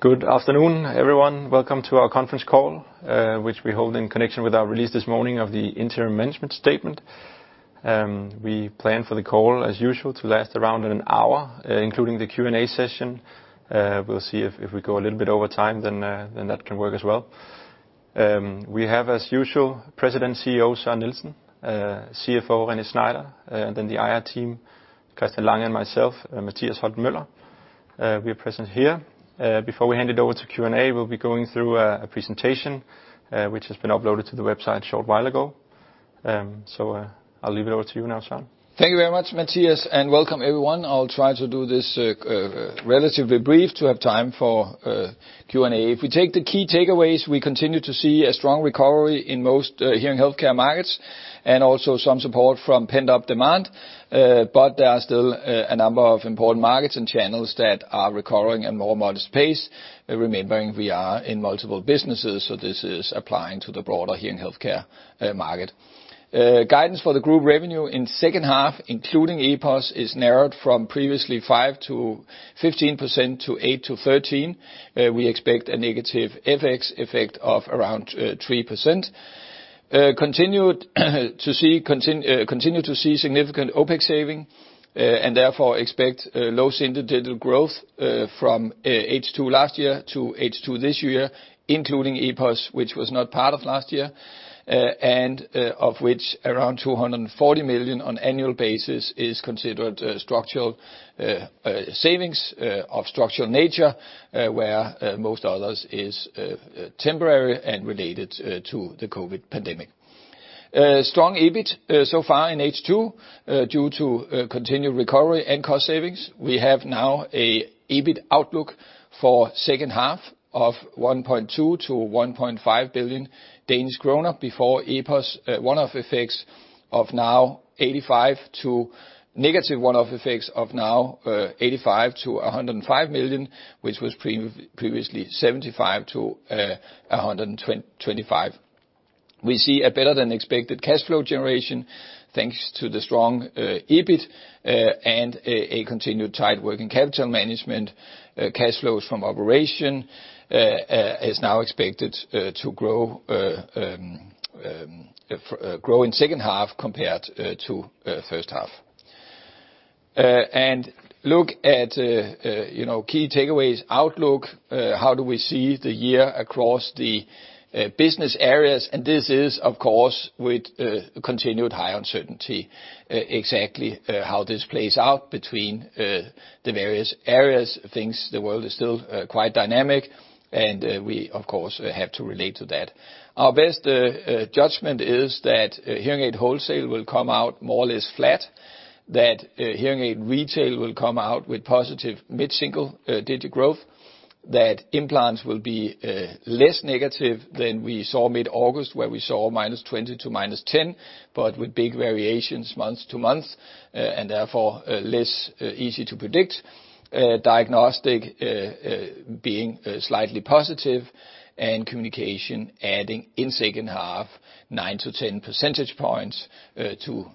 Good afternoon, everyone. Welcome to our conference call, which we hold in connection with our release this morning of the interim management statement. We plan for the call, as usual, to last around an hour, including the Q&A session. We'll see if we go a little bit over time, then that can work as well. We have, as usual, President CEO Søren Nielsen, CFO René Schneider, and then the IR team, Christian Lange, and myself, Mathias Holten Møller. We are present here. Before we hand it over to Q&A, we'll be going through a presentation which has been uploaded to the website a short while ago. So I'll leave it over to you now, Søren. Thank you very much, Mathias, and welcome, everyone. I'll try to do this relatively brief to have time for Q&A. If we take the key takeaways, we continue to see a strong recovery in most hearing healthcare markets and also some support from pent-up demand. But there are still a number of important markets and channels that are recovering and more modest pace. Remembering, we are in multiple businesses, so this is applying to the broader hearing healthcare market. Guidance for the group revenue in the second half, including EPOS, is narrowed from previously 5% to 15% to 8% to 13%. We expect a negative FX effect of around 3%. Continue to see significant OpEx savings and therefore expect low single-digit growth from H2 last year to H2 this year, including EPOS, which was not part of last year, and of which around 240 million on annual basis is considered structural savings of structural nature, where most others are temporary and related to the COVID pandemic. Strong EBIT so far in H2 due to continued recovery and cost savings. We have now an EBIT outlook for the second half of 1.2 billion-1.5 billion Danish kroner before EPOS, one-off effects now 85 million to negative one-off effects of now 85 million-105 million, which was previously -75 million-125 million. We see a better than expected cash flow generation thanks to the strong EBIT and a continued tight working capital management. Cash flows from operation are now expected to grow in the second half compared to the first half. Look at key takeaways outlook. How do we see the year across the business areas? This is, of course, with continued high uncertainty, exactly how this plays out between the various areas. Things, the world is still quite dynamic, and we, of course, have to relate to that. Our best judgment is that hearing aid wholesale will come out more or less flat, that hearing aid retail will come out with positive mid-single digit growth, that implants will be less negative than we saw mid-August, where we saw -20% to -10%, but with big variations month to month and therefore less easy to predict. Diagnostic being slightly positive and communication adding in the second half 9-10 percentage points to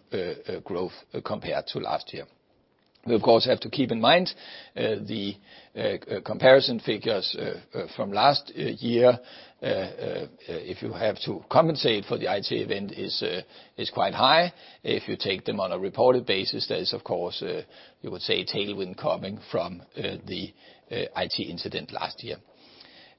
growth compared to last year. We, of course, have to keep in mind the comparison figures from last year. If you have to compensate for the IT event, it is quite high. If you take them on a reported basis, there is, of course, you would say tailwind coming from the IT incident last year.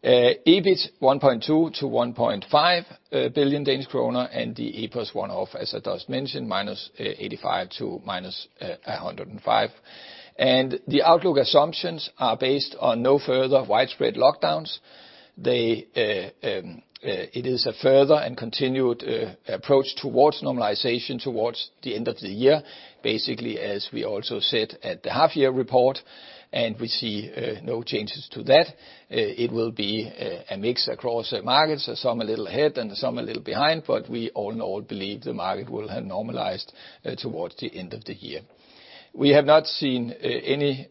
EBIT 1.2 billion-1.5 billion Danish kroner and the EPOS one-off, as I just mentioned, minus 85 million to minus 105 million, and the outlook assumptions are based on no further widespread lockdowns. It is a further and continued approach towards normalization towards the end of the year, basically as we also said at the half-year report, and we see no changes to that. It will be a mix across markets, some a little ahead and some a little behind, but we all know and all believe the market will have normalized towards the end of the year. We have not seen any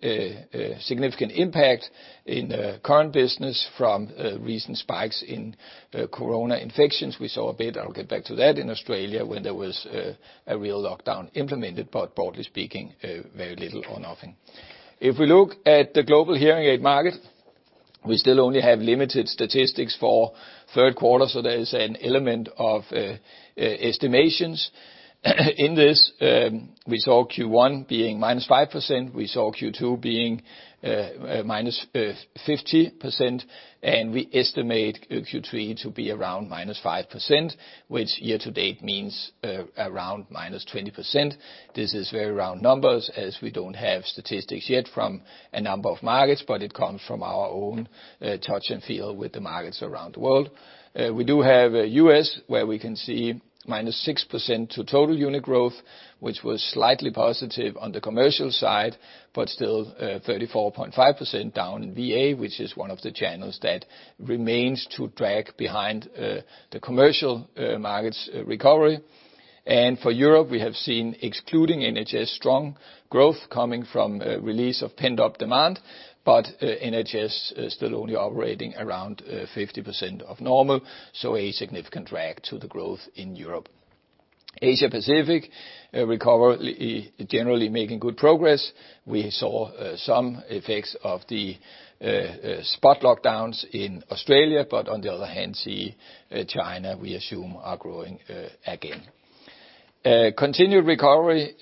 significant impact in current business from recent spikes in corona infections. We saw a bit, I'll get back to that, in Australia when there was a real lockdown implemented, but broadly speaking, very little or nothing. If we look at the global hearing aid market, we still only have limited statistics for the third quarter, so there is an element of estimations in this. We saw Q1 being minus 5%. We saw Q2 being minus 50%, and we estimate Q3 to be around minus 5%, which year to date means around minus 20%. This is very round numbers as we don't have statistics yet from a number of markets, but it comes from our own touch and feel with the markets around the world. We do have the U.S. where we can see -6% to total unit growth, which was slightly positive on the commercial side, but still 34.5% down in VA, which is one of the channels that remains to drag behind the commercial markets recovery. For Europe, we have seen, excluding NHS, strong growth coming from the release of pent-up demand, but NHS still only operating around 50% of normal, so a significant drag to the growth in Europe. Asia-Pacific recovery generally making good progress. We saw some effects of the spot lockdowns in Australia, but on the other hand, in China we assume are growing again. Continued recovery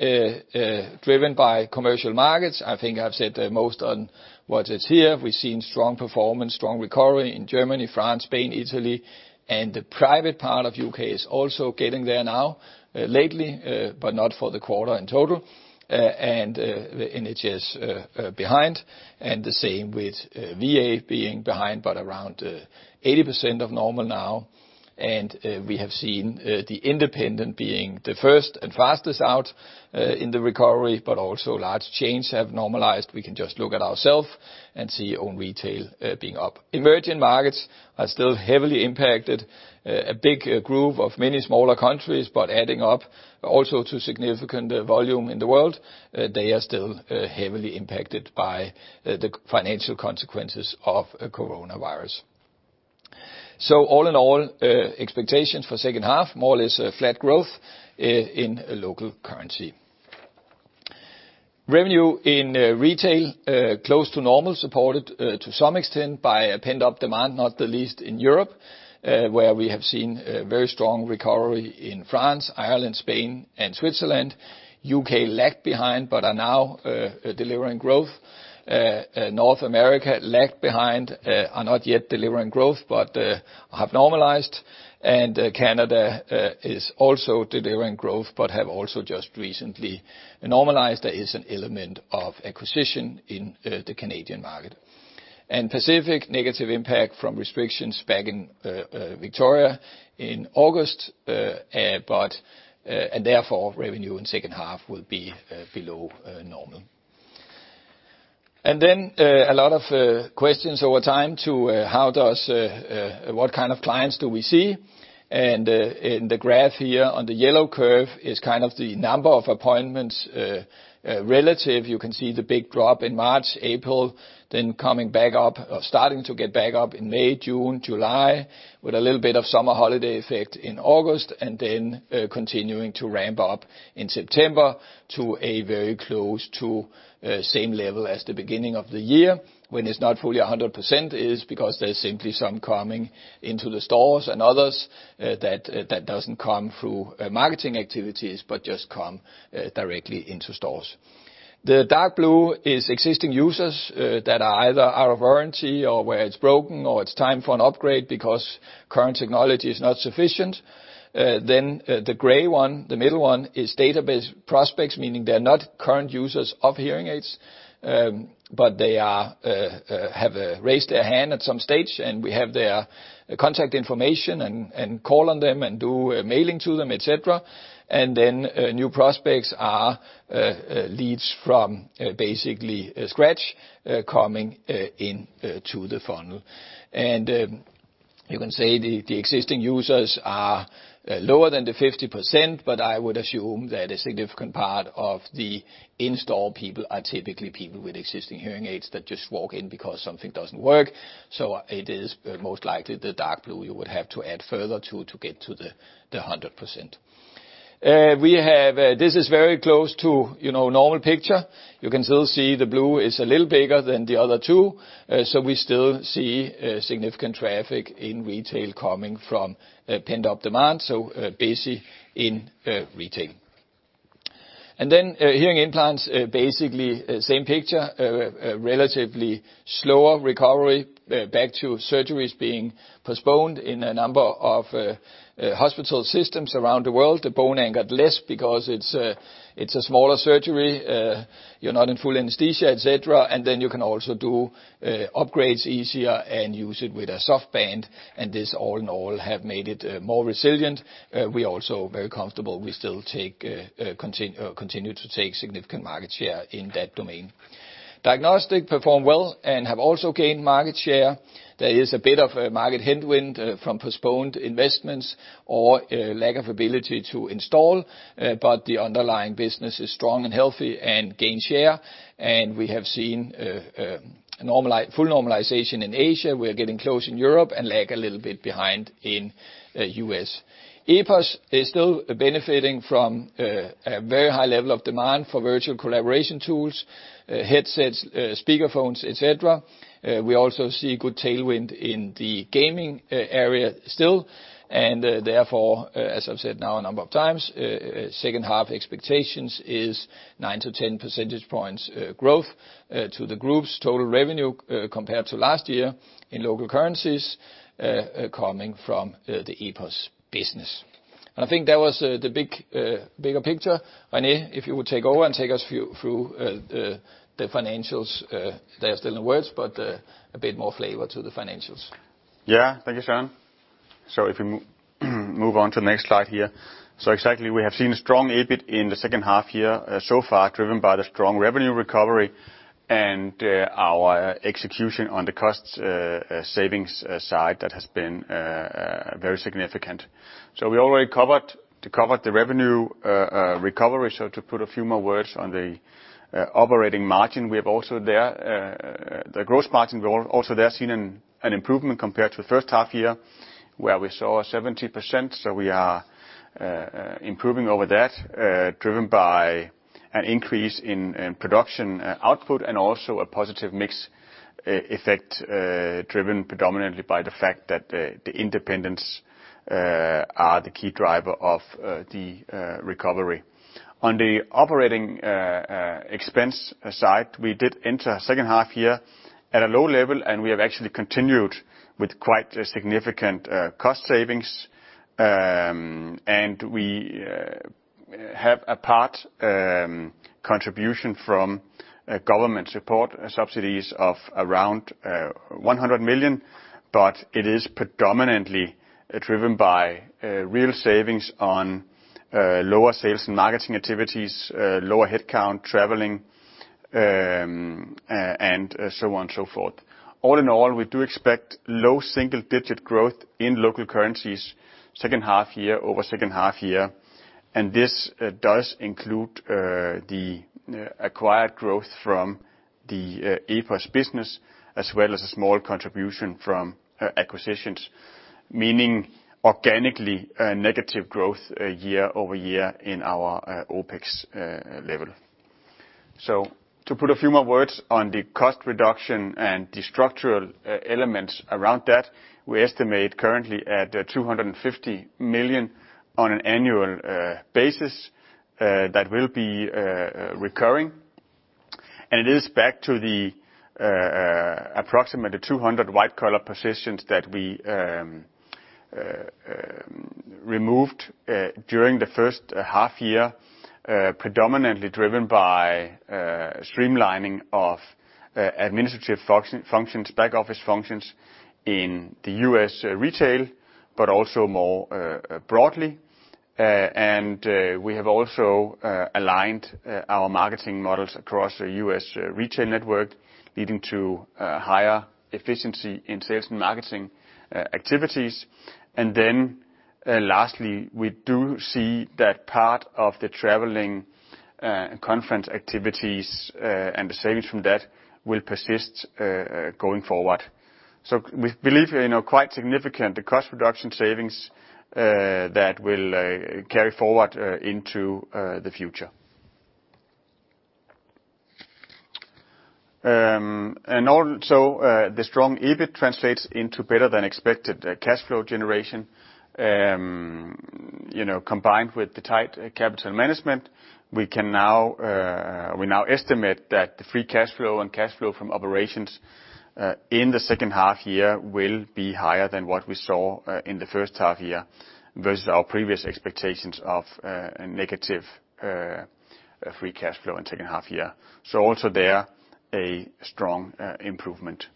driven by commercial markets. I think I've said most on what is here. We've seen strong performance, strong recovery in Germany, France, Spain, Italy, and the private part of the U.K. is also getting there now lately, but not for the quarter in total, and NHS behind, and the same with VA being behind, but around 80% of normal now, and we have seen the independent being the first and fastest out in the recovery, but also large chains have normalized. We can just look at ourselves and see own retail being up. Emerging markets are still heavily impacted, a big group of many smaller countries, but adding up also to significant volume in the world, they are still heavily impacted by the financial consequences of coronavirus, so all in all, expectations for the second half, more or less flat growth in local currency. Revenue in retail close to normal, supported to some extent by pent-up demand, not the least in Europe, where we have seen very strong recovery in France, Ireland, Spain, and Switzerland. U.K. lagged behind, but are now delivering growth. North America lagged behind, are not yet delivering growth, but have normalized. And Canada is also delivering growth, but have also just recently normalized. There is an element of acquisition in the Canadian market. And Pacific negative impact from restrictions back in Victoria in August, but therefore revenue in the second half will be below normal. And then a lot of questions over time to what kind of clients do we see. And in the graph here on the yellow curve is kind of the number of appointments relative. You can see the big drop in March, April, then coming back up or starting to get back up in May, June, July, with a little bit of summer holiday effect in August, and then continuing to ramp up in September to a very close to same level as the beginning of the year, when it's not fully 100% is because there's simply some coming into the stores and others that doesn't come through marketing activities, but just come directly into stores. The dark blue is existing users that are either out of warranty or where it's broken, or it's time for an upgrade because current technology is not sufficient. The gray one, the middle one is database prospects, meaning they're not current users of hearing aids, but they have raised their hand at some stage and we have their contact information and call on them and do mailing to them, etc. And then new prospects are leads from basically scratch coming into the funnel. And you can say the existing users are lower than the 50%, but I would assume that a significant part of the in-store people are typically people with existing hearing aids that just walk in because something doesn't work. So it is most likely the dark blue you would have to add further to get to the 100%. This is very close to normal picture. You can still see the blue is a little bigger than the other two. We still see significant traffic in retail coming from pent-up demand, so busy in retail. And then hearing implants, basically same picture, relatively slower recovery back to surgeries being postponed in a number of hospital systems around the world. The bone-anchored less because it's a smaller surgery. You're not in full anesthesia, etc. And then you can also do upgrades easier and use it with a soft band. And this all in all have made it more resilient. We are also very comfortable. We still continue to take significant market share in that domain. Diagnostics perform well and have also gained market share. There is a bit of market headwind from postponed investments or lack of ability to install, but the underlying business is strong and healthy and gains share. And we have seen full normalization in Asia. We are getting close in Europe and lag a little bit behind in U.S. EPOS is still benefiting from a very high level of demand for virtual collaboration tools, headsets, speakerphones, etc. We also see good tailwind in the gaming area still. And therefore, as I've said now a number of times, second half expectations is 9 to 10 percentage points growth to the group's total revenue compared to last year in local currencies coming from the EPOS business. And I think that was the bigger picture. René, if you would take over and take us through the financials. There are still no words, but a bit more flavor to the financials. Yeah, thank you, Søren. So if we move on to the next slide here. So exactly we have seen a strong EBIT in the second half here so far driven by the strong revenue recovery and our execution on the cost savings side that has been very significant. So we already covered the revenue recovery. So to put a few more words on the operating margin, we have also there, the gross margin we also there seen an improvement compared to the first half year where we saw 70%. So we are improving over that driven by an increase in production output and also a positive mix effect driven predominantly by the fact that the independents are the key driver of the recovery. On the operating expense side, we did enter second half year at a low level and we have actually continued with quite significant cost savings. We have a part contribution from government support subsidies of around 100 million, but it is predominantly driven by real savings on lower sales and marketing activities, lower headcount, traveling, and so on and so forth. All in all, we do expect low single digit growth in local currencies second half year over second half year. This does include the acquired growth from the EPOS business as well as a small contribution from acquisitions, meaning organically negative growth year over year in our OpEx level. To put a few more words on the cost reduction and the structural elements around that, we estimate currently at 250 million on an annual basis that will be recurring. And it is back to the approximately 200 white-collar positions that we removed during the first half year, predominantly driven by streamlining of administrative functions, back office functions in the U.S. retail, but also more broadly. And we have also aligned our marketing models across the U.S. retail network, leading to higher efficiency in sales and marketing activities. And then lastly, we do see that part of the traveling conference activities and the savings from that will persist going forward. So we believe quite significant the cost reduction savings that will carry forward into the future. And also the strong EBIT translates into better than expected cash flow generation. Combined with the tight capital management, we now estimate that the free cash flow and cash flow from operations in the second half year will be higher than what we saw in the first half year versus our previous expectations of negative free cash flow in second half year. So also there a strong improvement.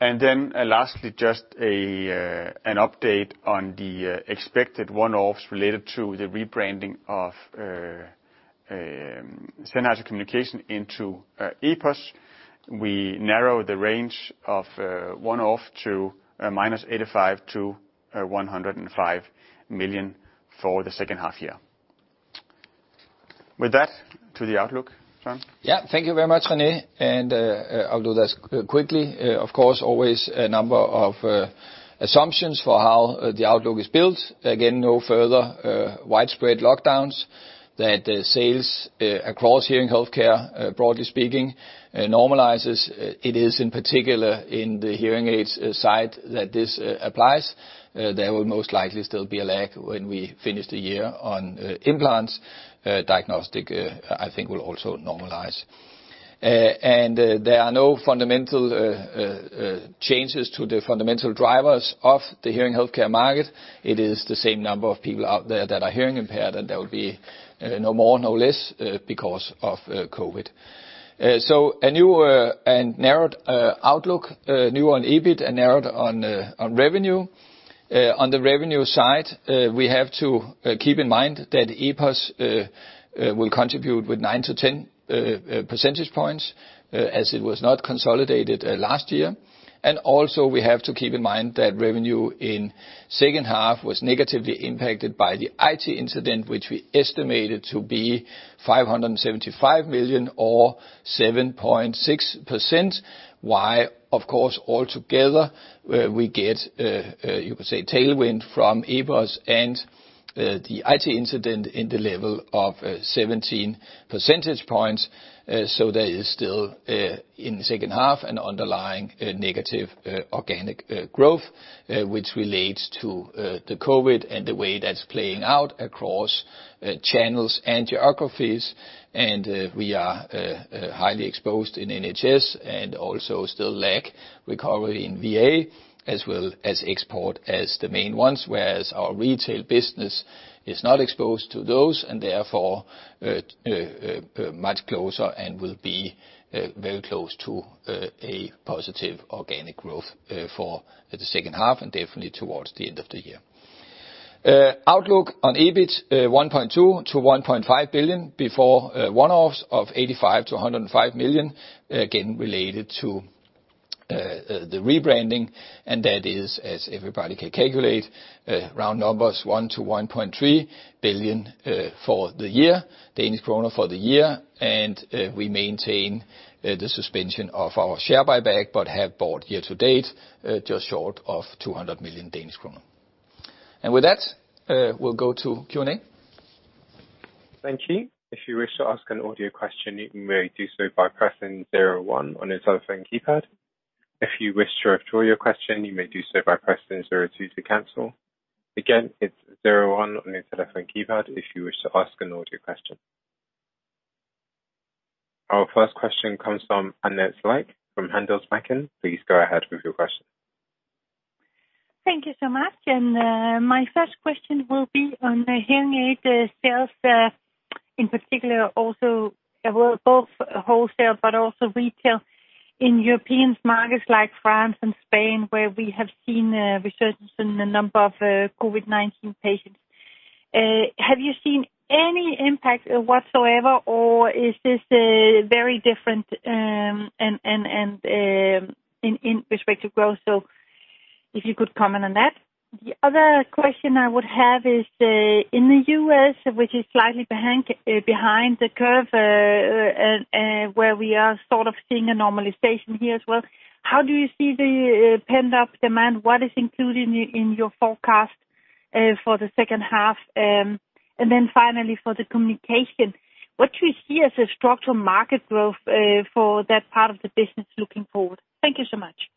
And then lastly, just an update on the expected one-offs related to the rebranding of Sennheiser Communications into EPOS. We narrow the range of one-off to -85 million to 105 million for the second half year. With that, to the outlook, Søren. Yeah, thank you very much, René. And I'll do this quickly. Of course, always a number of assumptions for how the outlook is built. Again, no further widespread lockdowns that sales across hearing healthcare, broadly speaking, normalizes. It is in particular in the hearing aids side that this applies. There will most likely still be a lag when we finish the year on implants. Diagnostic, I think, will also normalize. And there are no fundamental changes to the fundamental drivers of the hearing healthcare market. It is the same number of people out there that are hearing impaired, and there will be no more, no less because of COVID. So a new and narrowed outlook, new on EBIT and narrowed on revenue. On the revenue side, we have to keep in mind that EPOS will contribute with 9-10 percentage points as it was not consolidated last year. And also we have to keep in mind that revenue in second half was negatively impacted by the IT incident, which we estimated to be 575 million or 7.6%. Why, of course, altogether we get, you could say, tailwind from EPOS and the IT incident in the level of 17 percentage points. So there is still in the second half an underlying negative organic growth, which relates to the COVID and the way that's playing out across channels and geographies. And we are highly exposed in NHS and also still lack recovery in VA as well as export as the main ones, whereas our retail business is not exposed to those and therefore much closer and will be very close to a positive organic growth for the second half and definitely towards the end of the year. Outlook on EBIT, 1.2 billion-1.5 billion before one-offs of 85 billion-105 million, again related to the rebranding. And that is, as everybody can calculate, round numbers 1 billion-1.3 billion for the year. And we maintain the suspension of our share buyback, but have bought year to date just short of 200 million Danish kroner. And with that, we'll go to Q&A. Thank you. If you wish to ask an audio question, you may do so by pressing 01 on your telephone keypad. If you wish to withdraw your question, you may do so by pressing 02 to cancel. Again, it's 01 on your telephone keypad if you wish to ask an audio question. Our first question comes from Anette Lykke from Handelsbanken. Please go ahead with your question. Thank you so much. And my first question will be on hearing aid sales, in particular also both wholesale, but also retail in European markets like France and Spain, where we have seen resurgence in a number of COVID-19 patients. Have you seen any impact whatsoever, or is this very different in respect to growth? So if you could comment on that. The other question I would have is in the U.S., which is slightly behind the curve, where we are sort of seeing a normalization here as well. How do you see the pent-up demand? What is included in your forecast for the second half? And then finally for the communication, what do you see as a structural market growth for that part of the business looking forward? Thank you so much.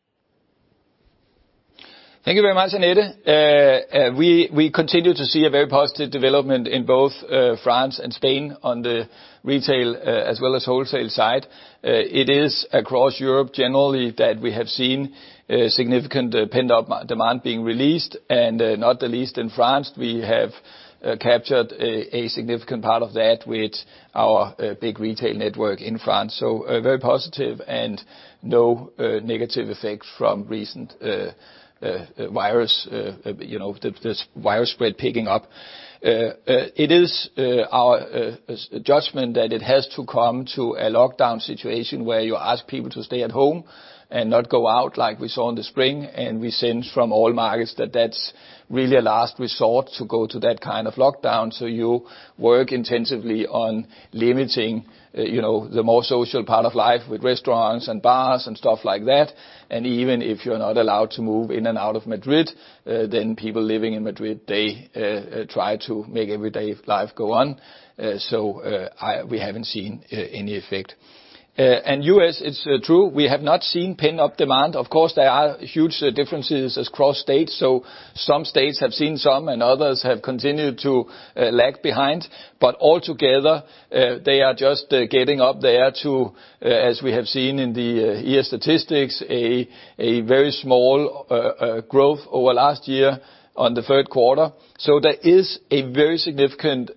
Thank you very much, Anette. We continue to see a very positive development in both France and Spain on the retail as well as wholesale side. It is across Europe generally that we have seen significant pent-up demand being released, and not the least in France. We have captured a significant part of that with our big retail network in France. So very positive and no negative effects from recent virus, the virus spread picking up. It is our judgment that it has to come to a lockdown situation where you ask people to stay at home and not go out like we saw in the spring. And we sense from all markets that that's really a last resort to go to that kind of lockdown. So you work intensively on limiting the more social part of life with restaurants and bars and stuff like that. And even if you're not allowed to move in and out of Madrid, then people living in Madrid, they try to make everyday life go on. So we haven't seen any effect. And U.S., it's true, we have not seen pent-up demand. Of course, there are huge differences across states. So some states have seen some and others have continued to lag behind. But altogether, they are just getting up there to, as we have seen in the year statistics, a very small growth over last year on the third quarter. So there is a very significant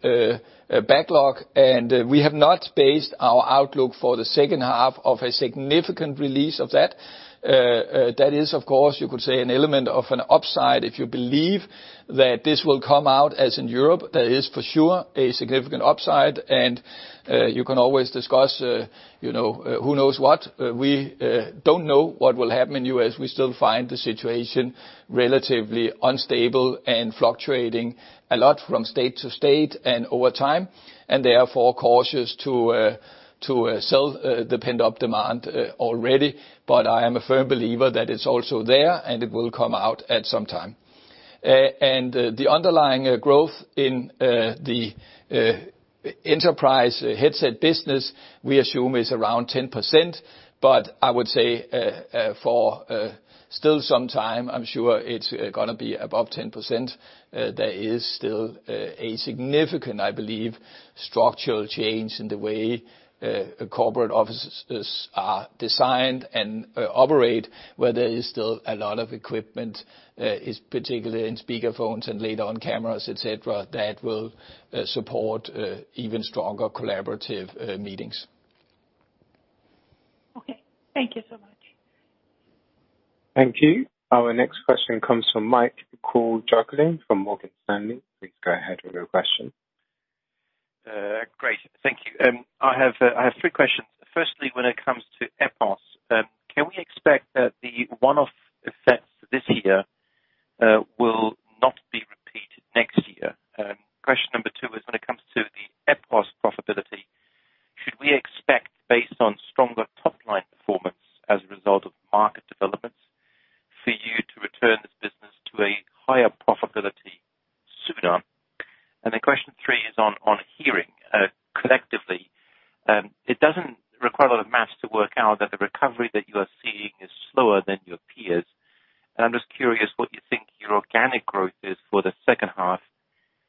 backlog, and we have not based our outlook for the second half of a significant release of that. That is, of course, you could say an element of an upside if you believe that this will come out as in Europe. There is for sure a significant upside, and you can always discuss who knows what. We don't know what will happen in the U.S. We still find the situation relatively unstable and fluctuating a lot from state to state and over time, and therefore cautious to sell the pent-up demand already, but I am a firm believer that it's also there and it will come out at some time, and the underlying growth in the enterprise headset business, we assume is around 10%, but I would say for still some time, I'm sure it's going to be above 10%. There is still a significant, I believe, structural change in the way corporate offices are designed and operate, where there is still a lot of equipment, particularly in speakerphones and later on cameras, etc., that will support even stronger collaborative meetings. Okay, thank you so much. Thank you. Our next question comes from Michael Jüngling from Morgan Stanley. Please go ahead with your question. Great, thank you. I have three questions. Firstly, when it comes to EPOS, can we expect that the one-off effects this year will not be repeated next year? Question number two is when it comes to the EPOS profitability, should we expect, based on stronger top-line performance as a result of market developments, for you to return this business to a higher profitability sooner? And then question three is on hearing collectively. It doesn't require a lot of math to work out that the recovery that you are seeing is slower than your peers. And I'm just curious what you think your organic growth is for the second half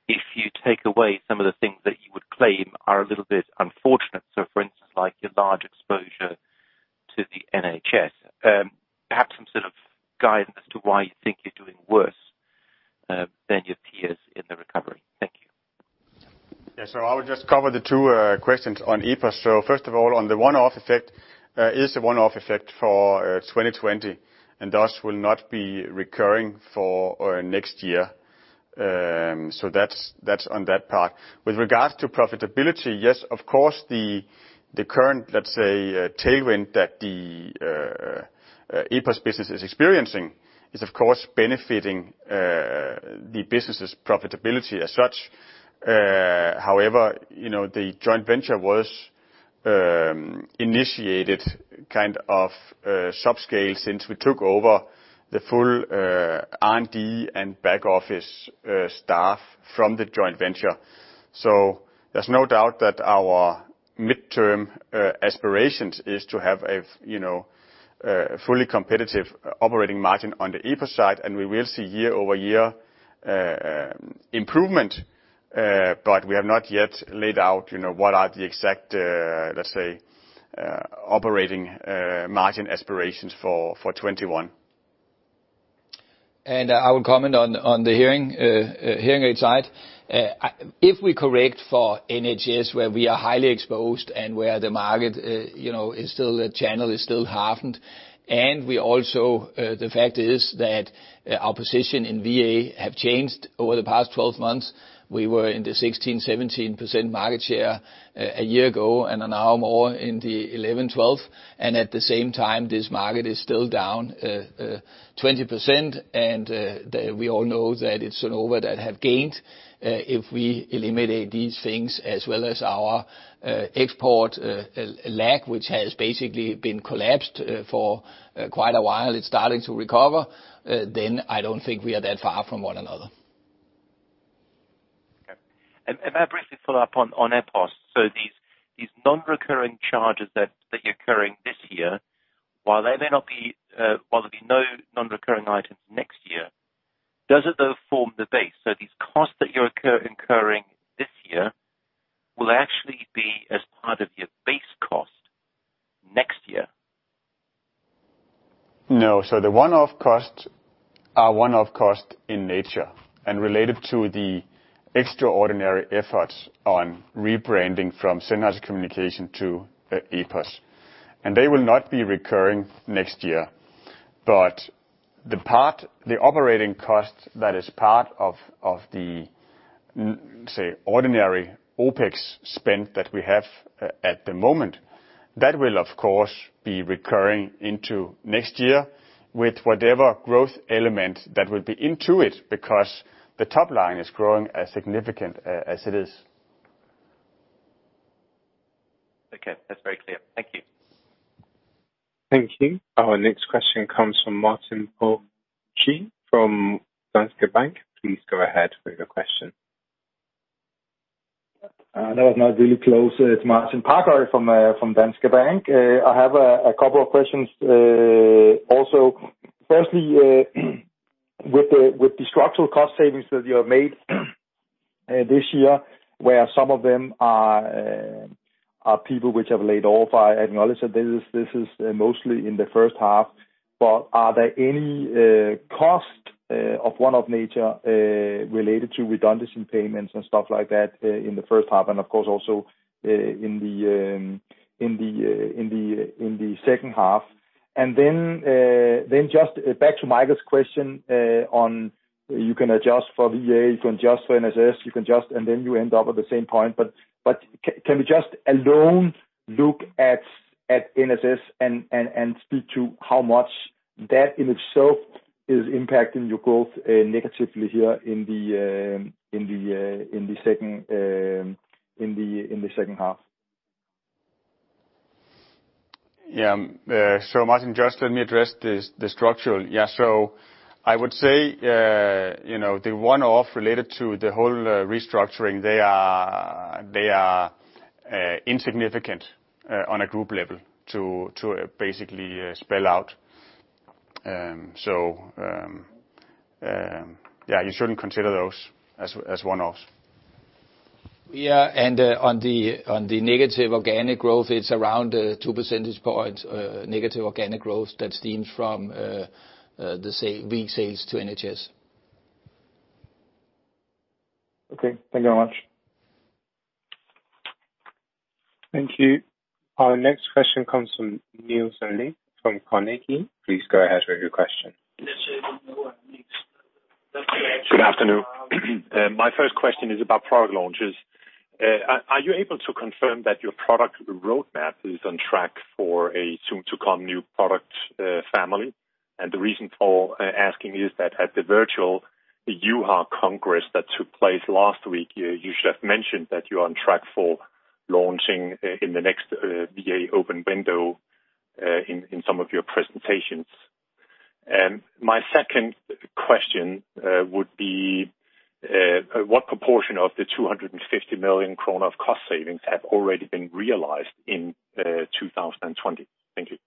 if you take away some of the things that you would claim are a little bit unfortunate. So for instance, like your large exposure to the NHS. Perhaps some sort of guidance as to why you think you're doing worse than your peers in the recovery? Thank you. Yeah, so I will just cover the two questions on EPOS. So first of all, on the one-off effect, it is a one-off effect for 2020 and thus will not be recurring for next year. So that's on that part. With regards to profitability, yes, of course, the current, let's say, tailwind that the EPOS business is experiencing is, of course, benefiting the business's profitability as such. However, the joint venture was initiated kind of subscale since we took over the full R&D and back office staff from the joint venture. So there's no doubt that our midterm aspirations is to have a fully competitive operating margin on the EPOS side, and we will see year over year improvement, but we have not yet laid out what are the exact, let's say, operating margin aspirations for 2021. And I will comment on the hearing aid side. If we correct for NHS, where we are highly exposed and where the market is still, the channel is still half, and we also, the fact is that our position in VA have changed over the past 12 months. We were in the 16%-17% market share a year ago and are now more in the 11%-12%. And at the same time, this market is still down 20%, and we all know that it's an outlier that have gained. If we eliminate these things as well as our export lag, which has basically been collapsed for quite a while, it's starting to recover, then I don't think we are that far from one another. Okay. And may I briefly follow up on EPOS? So these non-recurring charges that you're incurring this year, while there may not be, while there'll be no non-recurring items next year, does it though form the base? So these costs that you're incurring this year, will they actually be as part of your base cost next year? No. So the one-off costs are one-off costs in nature and related to the extraordinary efforts on rebranding from Sennheiser Communications to EPOS. And they will not be recurring next year. But the part, the operating cost that is part of the, say, ordinary OpEx spend that we have at the moment, that will, of course, be recurring into next year with whatever growth element that will be into it because the top line is growing as significant as it is. Okay, that's very clear. Thank you. Thank you. Our next question comes from Martin Parkhøi from Danske Bank. Please go ahead with your question. That was not really close. It's Martin Parkhøi from Danske Bank. I have a couple of questions also. Firstly, with the structural cost savings that you have made this year, where some of them are people which have laid off, I acknowledge that this is mostly in the first half, but are there any costs of one-off nature related to redundancy payments and stuff like that in the first half and of course also in the second half? And then just back to Michael's question on you can adjust for VA, you can adjust for NHS, you can adjust, and then you end up at the same point. But can we just alone look at NHS and speak to how much that in itself is impacting your growth negatively here in the second half? Yeah, so Martin, just let me address the structural. Yeah, so I would say the one-off related to the whole restructuring. They are insignificant on a group level to basically spell out. So yeah, you shouldn't consider those as one-offs. Yeah, and on the negative organic growth, it's around 2 percentage points negative organic growth that stems from the sales to NHS. Okay, thank you very much. Thank you. Our next question comes from Niels Granholm-Leth from Carnegie. Please go ahead with your question. Good afternoon. My first question is about product launches. Are you able to confirm that your product roadmap is on track for a soon-to-come new product family? And the reason for asking is that at the virtual EUHA Congress that took place last week, you should have mentioned that you are on track for launching in the next VA open window in some of your presentations. And my second question would be, what proportion of the 250 million krone of cost savings have already been realized in 2020? Thank you.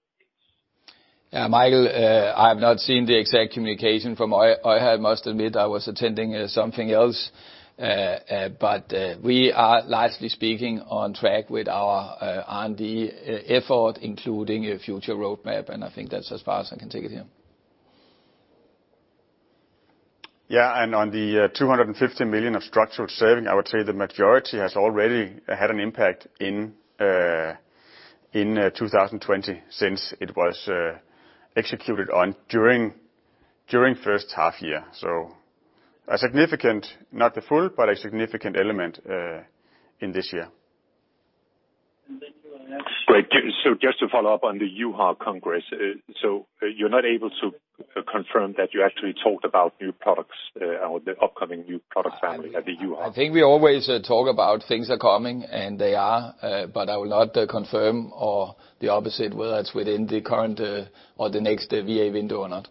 Yeah, Michael, I have not seen the exact communication from EUHA. I must admit I was attending something else, but we are largely speaking on track with our R&D effort, including a future roadmap, and I think that's as far as I can take it here. Yeah, and on the 250 million of structural savings, I would say the majority has already had an impact in 2020 since it was executed during the first half year. So a significant, not the full, but a significant element in this year. Great. So just to follow up on the EUHA Congress, so you're not able to confirm that you actually talked about new products or the upcoming new product family at the EUHA? I think we always talk about things are coming, and they are, but I will not confirm or the opposite whether it's within the current or the next VA window or not.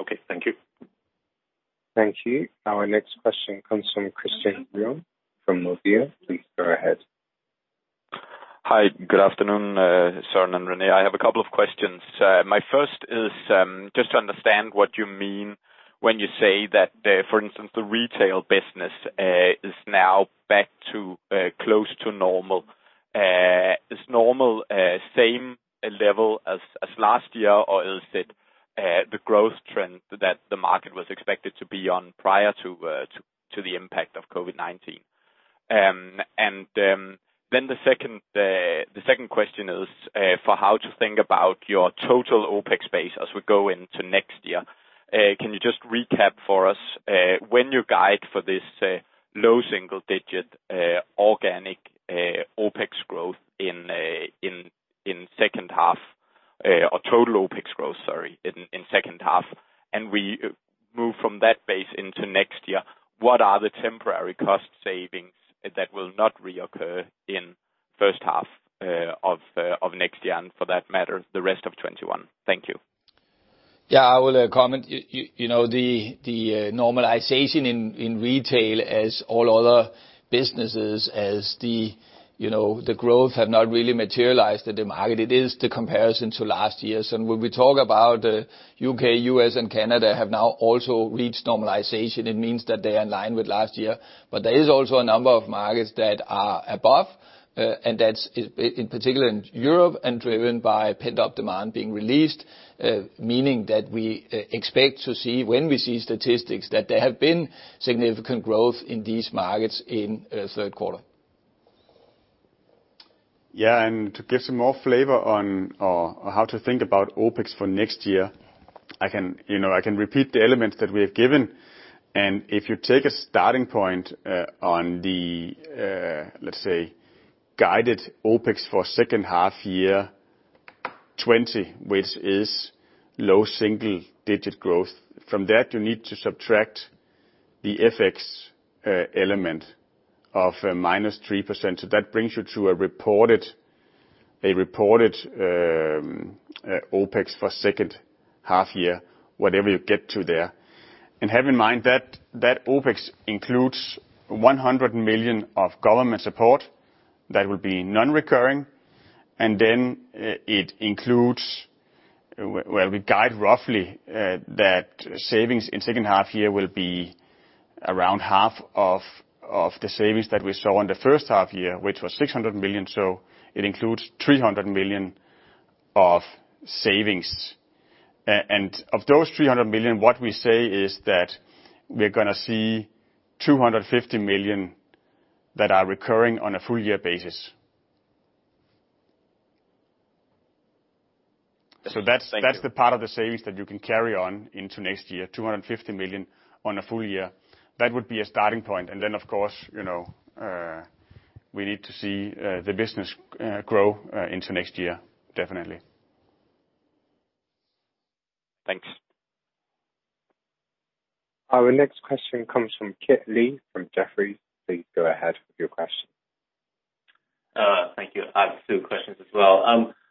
Okay, thank you. Thank you. Our next question comes from Christian Ryom from Nordea. Please go ahead. Hi, good afternoon, Søren and René. I have a couple of questions. My first is just to understand what you mean when you say that, for instance, the retail business is now back to close to normal. Is normal same level as last year, or is it the growth trend that the market was expected to be on prior to the impact of COVID-19? And then the second question is for how to think about your total OpEx base as we go into next year. Can you just recap for us when you guide for this low single-digit organic OpEx growth in second half or total OpEx growth, sorry, in second half, and we move from that base into next year, what are the temporary cost savings that will not reoccur in first half of next year and for that matter, the rest of 2021? Thank you. Yeah, I will comment. The normalization in retail, as all other businesses, as the growth have not really materialized in the market, it is the comparison to last year, so when we talk about the U.K., U.S., and Canada have now also reached normalization, it means that they are in line with last year, but there is also a number of markets that are above, and that's in particular in Europe and driven by pent-up demand being released, meaning that we expect to see when we see statistics that there have been significant growth in these markets in third quarter. Yeah, and to give some more flavor on how to think about OpEx for next year, I can repeat the elements that we have given. If you take a starting point on the, let's say, guided OpEx for second half year 2020, which is low single-digit growth, from that you need to subtract the FX element of minus 3%. So that brings you to a reported OpEx for second half year, whatever you get to there. Have in mind that OpEx includes 100 million of government support that will be non-recurring. And then it includes, well, we guide roughly that savings in second half year will be around half of the savings that we saw in the first half year, which was 600 million. So it includes 300 million of savings. And of those 300 million, what we say is that we're going to see 250 million that are recurring on a full year basis. So that's the part of the savings that you can carry on into next year, 250 million on a full year. That would be a starting point. And then, of course, we need to see the business grow into next year, definitely. Thanks. Our next question comes from Kit Lee from Jefferies. Please go ahead with your question. Thank you. I have two questions as well.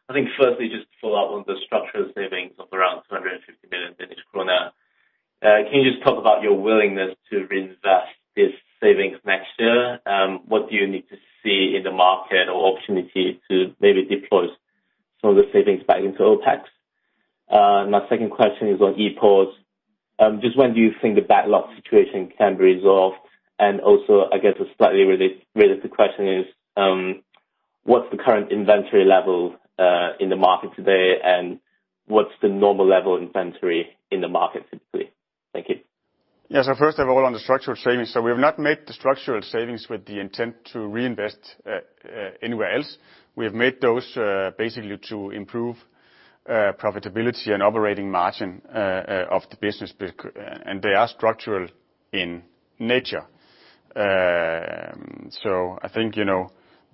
I think firstly, just to follow up on the structural savings of around 250 million Danish krone. Can you just talk about your willingness to reinvest these savings next year? What do you need to see in the market or opportunity to maybe deploy some of the savings back into OpEx? My second question is on EPOS. Just when do you think the backlog situation can be resolved? And also, I guess a slightly related question is, what's the current inventory level in the market today and what's the normal level inventory in the market typically? Thank you. Yeah, so first of all, on the structural savings, so we have not made the structural savings with the intent to reinvest anywhere else. We have made those basically to improve profitability and operating margin of the business, and they are structural in nature, so I think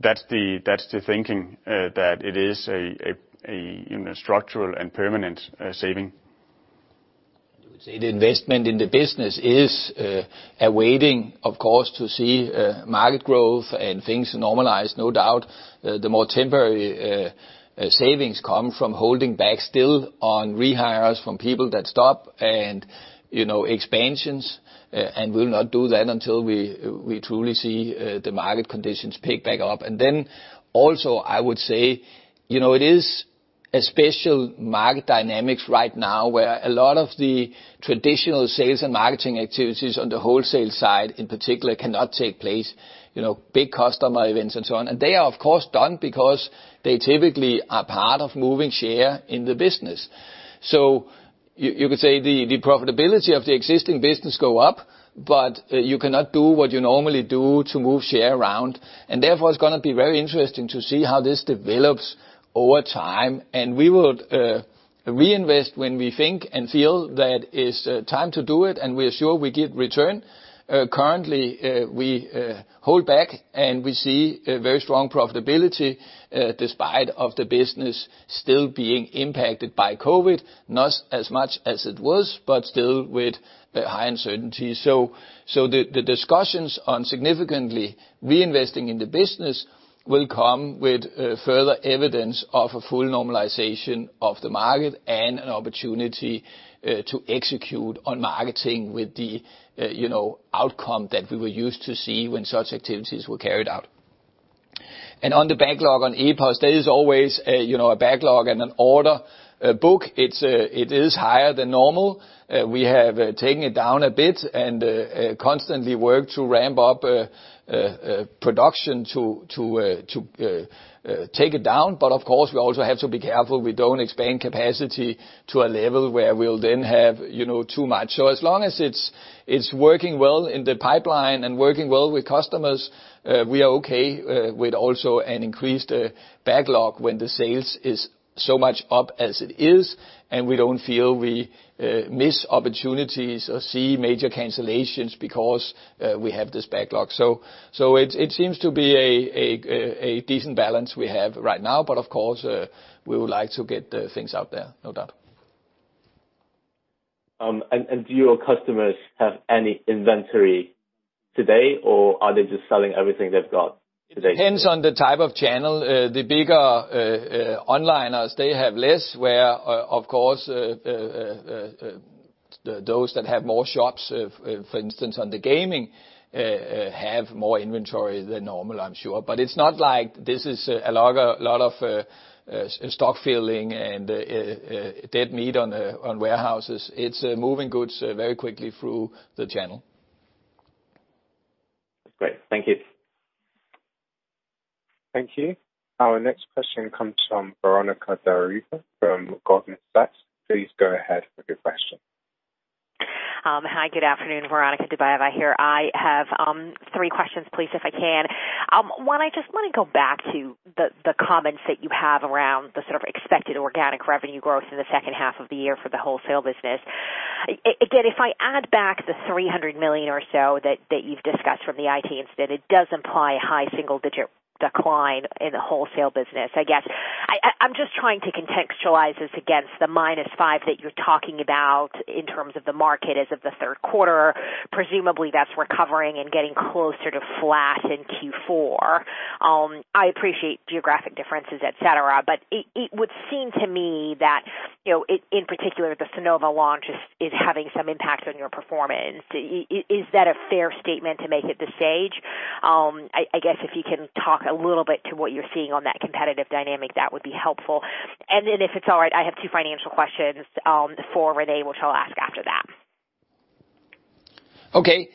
that's the thinking that it is a structural and permanent savings. I would say the investment in the business is awaiting, of course, to see market growth and things normalize, no doubt. The more temporary savings come from holding back still on rehires from people that stop and expansions, and we will not do that until we truly see the market conditions pick back up, and then also, I would say it is a special market dynamic right now where a lot of the traditional sales and marketing activities on the wholesale side in particular cannot take place. Big customer events and so on, and they are, of course, done because they typically are part of moving share in the business, so you could say the profitability of the existing business goes up, but you cannot do what you normally do to move share around, and therefore, it's going to be very interesting to see how this develops over time. And we will reinvest when we think and feel that it's time to do it, and we are sure we get return. Currently, we hold back, and we see very strong profitability despite the business still being impacted by COVID, not as much as it was, but still with high uncertainty. So the discussions on significantly reinvesting in the business will come with further evidence of a full normalization of the market and an opportunity to execute on marketing with the outcome that we were used to see when such activities were carried out. And on the backlog on EPOS, there is always a backlog and an order book. It is higher than normal. We have taken it down a bit and constantly worked to ramp up production to take it down. But of course, we also have to be careful we don't expand capacity to a level where we'll then have too much. So as long as it's working well in the pipeline and working well with customers, we are okay with also an increased backlog when the sales is so much up as it is, and we don't feel we miss opportunities or see major cancellations because we have this backlog. So it seems to be a decent balance we have right now, but of course, we would like to get things out there, no doubt. Do your customers have any inventory today, or are they just selling everything they've got today? It depends on the type of channel. The bigger onliners, they have less, where, of course, those that have more shops, for instance, on the gaming, have more inventory than normal, I'm sure. But it's not like this is a lot of stock filling and dead meat on warehouses. It's moving goods very quickly through the channel. Great. Thank you. Thank you. Our next question comes from Veronika Dubajova from Goldman Sachs. Please go ahead with your question. Hi, good afternoon, Veronika Dubajova here. I have three questions, please, if I can. One, I just want to go back to the comments that you have around the sort of expected organic revenue growth in the second half of the year for the wholesale business. Again, if I add back the 300 million or so that you've discussed from the IT incident, it does imply a high single-digit decline in the wholesale business, I guess. I'm just trying to contextualize this against the minus five that you're talking about in terms of the market as of the third quarter. Presumably, that's recovering and getting closer to flat in Q4. I appreciate geographic differences, etc., but it would seem to me that, in particular, the Sonova launch is having some impact on your performance. Is that a fair statement to make at this stage? I guess if you can talk a little bit to what you're seeing on that competitive dynamic, that would be helpful. And then if it's all right, I have two financial questions for René, which I'll ask after that. Okay.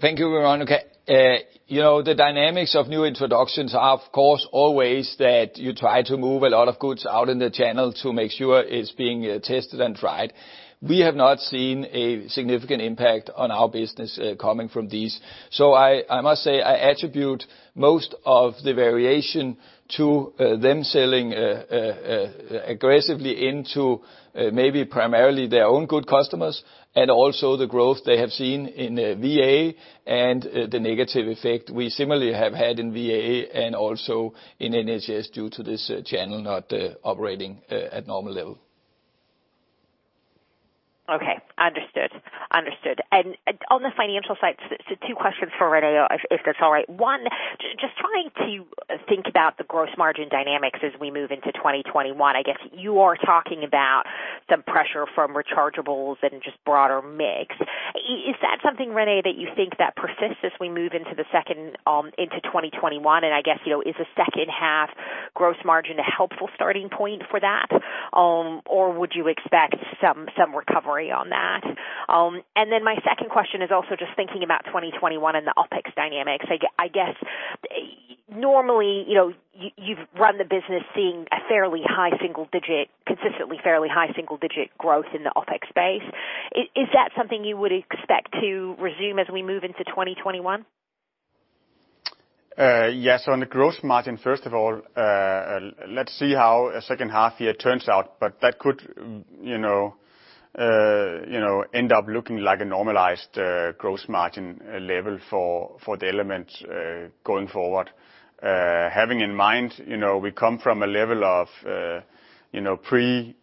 Thank you, Veronika. The dynamics of new introductions are, of course, always that you try to move a lot of goods out in the channel to make sure it's being tested and tried. We have not seen a significant impact on our business coming from these. So I must say I attribute most of the variation to them selling aggressively into maybe primarily their own good customers and also the growth they have seen in VA and the negative effect we similarly have had in VA and also in NHS due to this channel not operating at normal level. Okay. Understood. Understood. And on the financial side, two questions for René, if that's all right. One, just trying to think about the gross margin dynamics as we move into 2021. I guess you are talking about some pressure from rechargeables and just broader mix. Is that something, René, that you think that persists as we move into the second into 2021? And I guess, is the second half gross margin a helpful starting point for that, or would you expect some recovery on that? And then my second question is also just thinking about 2021 and the OpEx dynamics. I guess normally you've run the business seeing a fairly high single-digit, consistently fairly high single-digit growth in the OpEx space. Is that something you would expect to resume as we move into 2021? Yes. On the gross margin, first of all, let's see how second half year turns out, but that could end up looking like a normalized gross margin level for the elements going forward. Having in mind we come from a level of pre-IT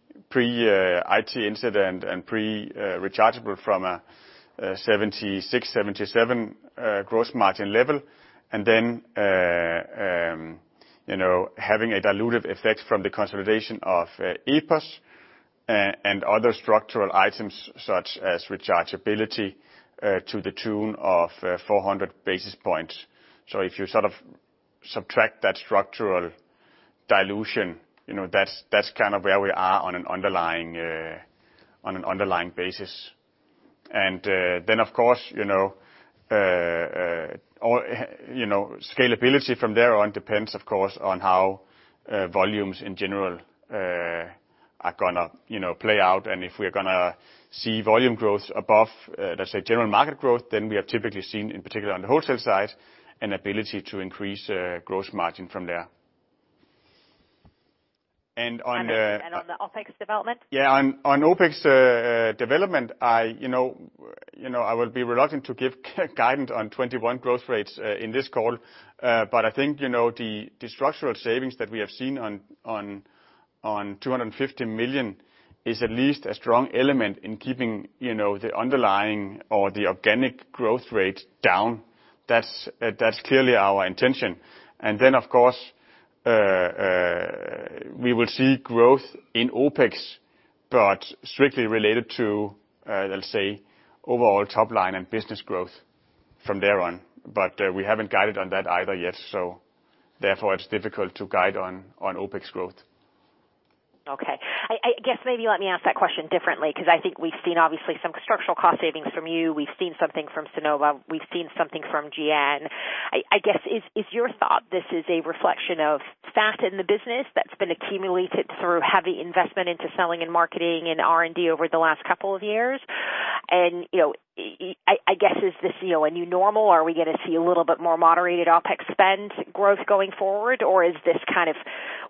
incident and pre-rechargeable from a 76%-77% gross margin level, and then having a diluted effect from the consolidation of EPOS and other structural items such as rechargeability to the tune of 400 basis points. So if you sort of subtract that structural dilution, that's kind of where we are on an underlying basis. And then, of course, scalability from there on depends, of course, on how volumes in general are going to play out. If we are going to see volume growth above, let's say, general market growth, then we have typically seen, in particular on the wholesale side, an ability to increase gross margin from there. And on. On the OpEx development? Yeah. On OpEx development, I will be reluctant to give guidance on OpEx growth rates in this call, but I think the structural savings that we have seen on 250 million is at least a strong element in keeping the underlying or the organic growth rate down. That's clearly our intention. And then, of course, we will see growth in OpEx, but strictly related to, let's say, overall top line and business growth from there on. But we haven't guided on that either yet. So therefore, it's difficult to guide on OpEx growth. Okay. I guess maybe let me ask that question differently because I think we've seen obviously some structural cost savings from you. We've seen something from Sonova. We've seen something from GN. I guess is your thought this is a reflection of fat in the business that's been accumulated through heavy investment into selling and marketing and R&D over the last couple of years? And I guess is this a new normal, or are we going to see a little bit more moderated OpEx spend growth going forward, or is this kind of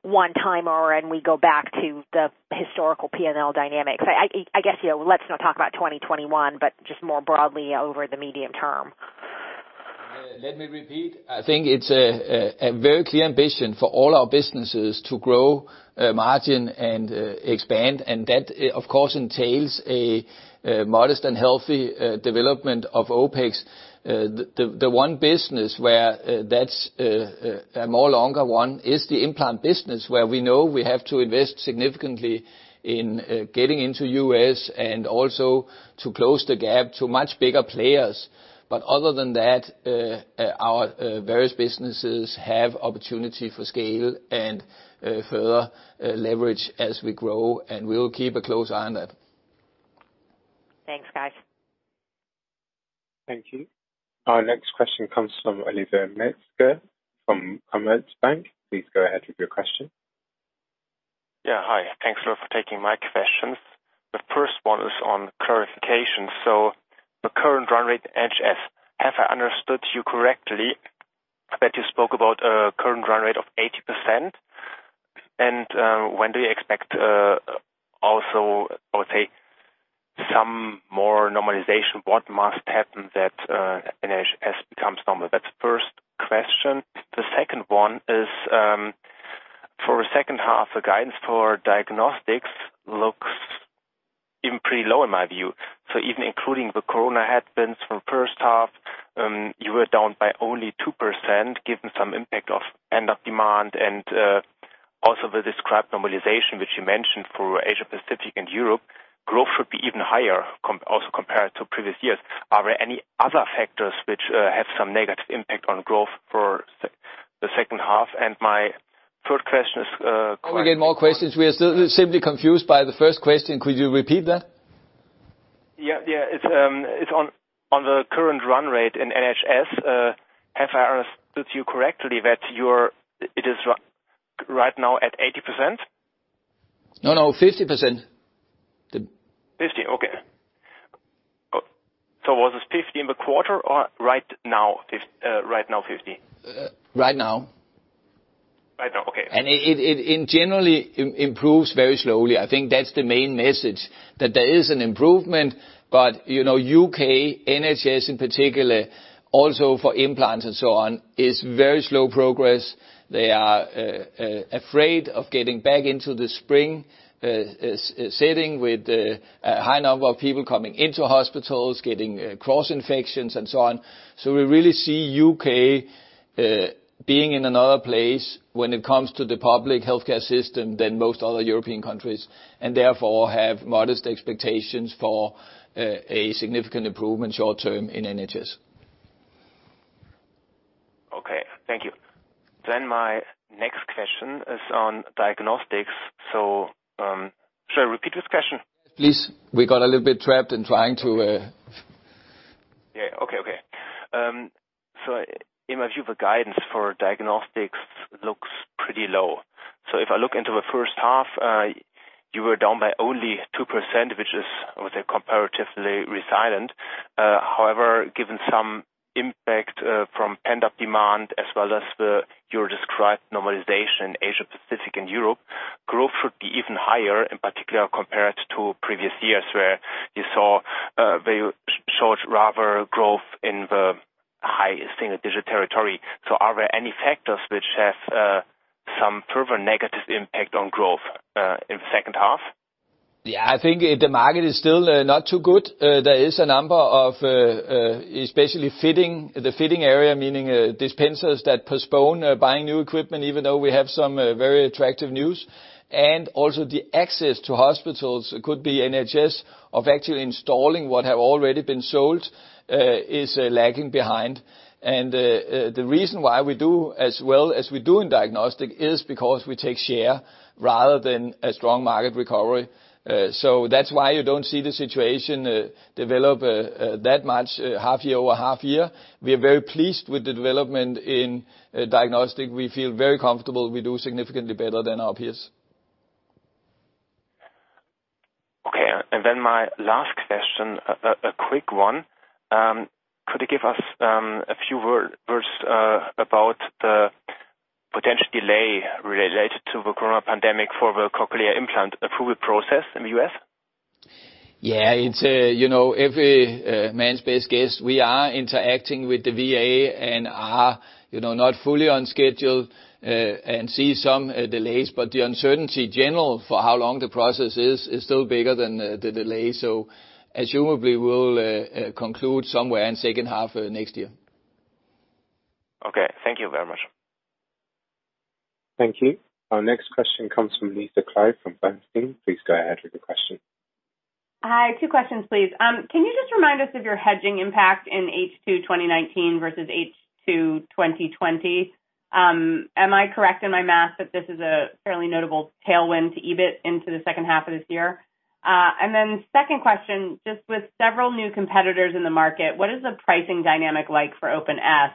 one-timer and we go back to the historical P&L dynamics? I guess let's not talk about 2021, but just more broadly over the medium term. Let me repeat. I think it's a very clear ambition for all our businesses to grow margin and expand. And that, of course, entails a modest and healthy development of OpEx. The one business where that's a more longer one is the implant business, where we know we have to invest significantly in getting into the U.S. and also to close the gap to much bigger players. But other than that, our various businesses have opportunity for scale and further leverage as we grow, and we will keep a close eye on that. Thanks, guys. Thank you. Our next question comes from Oliver Metzger from Commerzbank. Please go ahead with your question. Yeah. Hi. Thanks a lot for taking my questions. The first one is on clarification. So the current run rate NHS, have I understood you correctly that you spoke about a current run rate of 80%? And when do you expect also, I would say, some more normalization? What must happen that NHS becomes normal? That's the first question. The second one is for the second half, the guidance for diagnostics looks even pretty low in my view. So even including the corona headwinds from the first half, you were down by only 2% given some impact of pent-up demand. And also the described normalization, which you mentioned for Asia-Pacific and Europe, growth should be even higher also compared to previous years. Are there any other factors which have some negative impact on growth for the second half? And my third question is. Can we get more questions? We are still simply confused by the first question. Could you repeat that? It's on the current run rate in NHS. Have I understood you correctly that it is right now at 80%? No, no, 50%. 50? Okay. So was it 50 in the quarter or right now 50? Right now. Right now. Okay. It generally improves very slowly. I think that's the main message, that there is an improvement, but U.K., NHS in particular, also for implants and so on, is very slow progress. They are afraid of getting back into the spring setting with a high number of people coming into hospitals, getting cross-infections and so on. We really see U.K. being in another place when it comes to the public healthcare system than most other European countries, and therefore have modest expectations for a significant improvement short-term in NHS. Okay. Thank you. Then my next question is on diagnostics. So should I repeat this question? Yes, please. We got a little bit trapped in trying to. Yeah. Okay. So in my view, the guidance for diagnostics looks pretty low. So if I look into the first half, you were down by only 2%, which is, I would say, comparatively resilient. However, given some impact from pent-up demand as well as your described normalization in Asia-Pacific and Europe, growth should be even higher, in particular compared to previous years where you saw very strong robust growth in the high single-digit territory. So are there any factors which have some further negative impact on growth in the second half? Yeah. I think the market is still not too good. There is a number of especially in the fitting area, meaning dispensers that postpone buying new equipment even though we have some very attractive news. And also the access to hospitals could be in the NHS of actually installing what have already been sold is lagging behind. And the reason why we do as well as we do in diagnostic is because we take share rather than a strong market recovery. So that's why you don't see the situation develop that much half year over half year. We are very pleased with the development in diagnostic. We feel very comfortable. We do significantly better than our peers. Okay. And then my last question, a quick one. Could you give us a few words about the potential delay related to the corona pandemic for the cochlear implant approval process in the U.S.? Yeah. It's every man's best guess. We are interacting with the VA and are not fully on schedule and see some delays, but the general uncertainty for how long the process is still bigger than the delay, so presumably we'll conclude somewhere in the second half next year. Okay. Thank you very much. Thank you. Our next question comes from Lisa Clive from Bernstein. Please go ahead with your question. Hi. Two questions, please. Can you just remind us of your hedging impact in H2 2019 versus H2 2020? Am I correct in my math that this is a fairly notable tailwind to EBIT into the second half of this year? And then second question, just with several new competitors in the market, what is the pricing dynamic like for Opn S?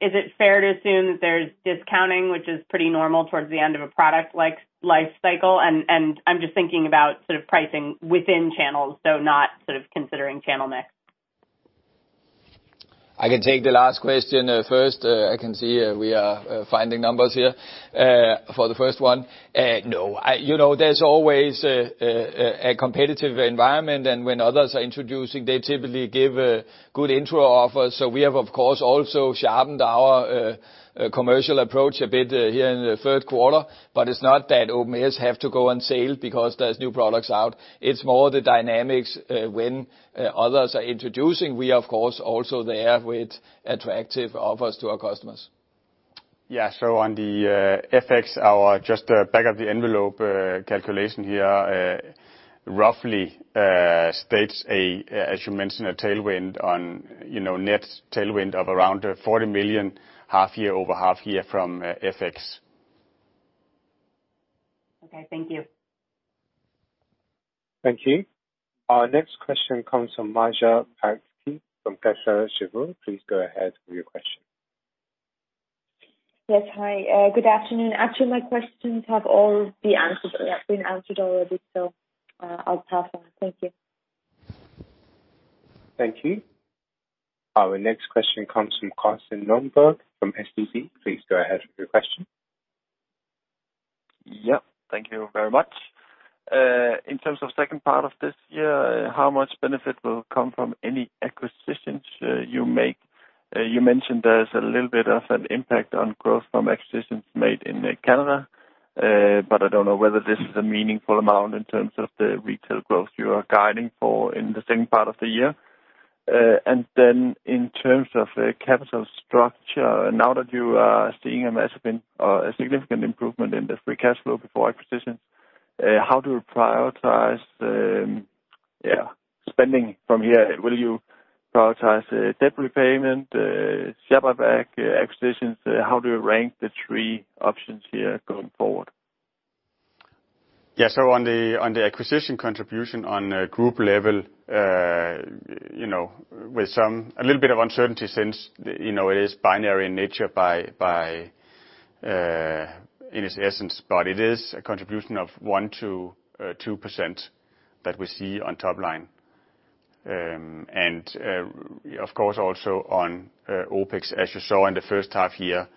Is it fair to assume that there's discounting, which is pretty normal towards the end of a product life cycle? And I'm just thinking about sort of pricing within channels, though not sort of considering channel mix. I can take the last question first. I can see we are finding numbers here for the first one. No. There's always a competitive environment, and when others are introducing, they typically give a good intro offer. So we have, of course, also sharpened our commercial approach a bit here in the third quarter, but it's not that Opn S have to go on sale because there's new products out. It's more the dynamics when others are introducing. We, of course, also there with attractive offers to our customers. Yeah. So on the FX, just the back of the envelope calculation here roughly states a, as you mentioned, a tailwind on net tailwind of around 40 million half year over half year from FX. Okay. Thank you. Thank you. Our next question comes from Maja Pataki from Kepler Cheuvreux. Please go ahead with your question. Yes. Hi. Good afternoon. Actually, my questions have all been answered already, so I'll pass on. Thank you. Thank you. Our next question comes from Carsten Lønborg from SEB. Please go ahead with your question. Yep. Thank you very much. In terms of second part of this year, how much benefit will come from any acquisitions you make? You mentioned there's a little bit of an impact on growth from acquisitions made in Canada, but I don't know whether this is a meaningful amount in terms of the retail growth you are guiding for in the second part of the year. And then in terms of capital structure, now that you are seeing a significant improvement in the free cash flow before acquisitions, how do you prioritize spending from here? Will you prioritize debt repayment, share buyback, acquisitions? How do you rank the three options here going forward? Yeah. So on the acquisition contribution on group level, with a little bit of uncertainty since it is binary in nature in its essence, but it is a contribution of 1%-2% that we see on top line. And, of course, also on OpEx, as you saw in the first half year,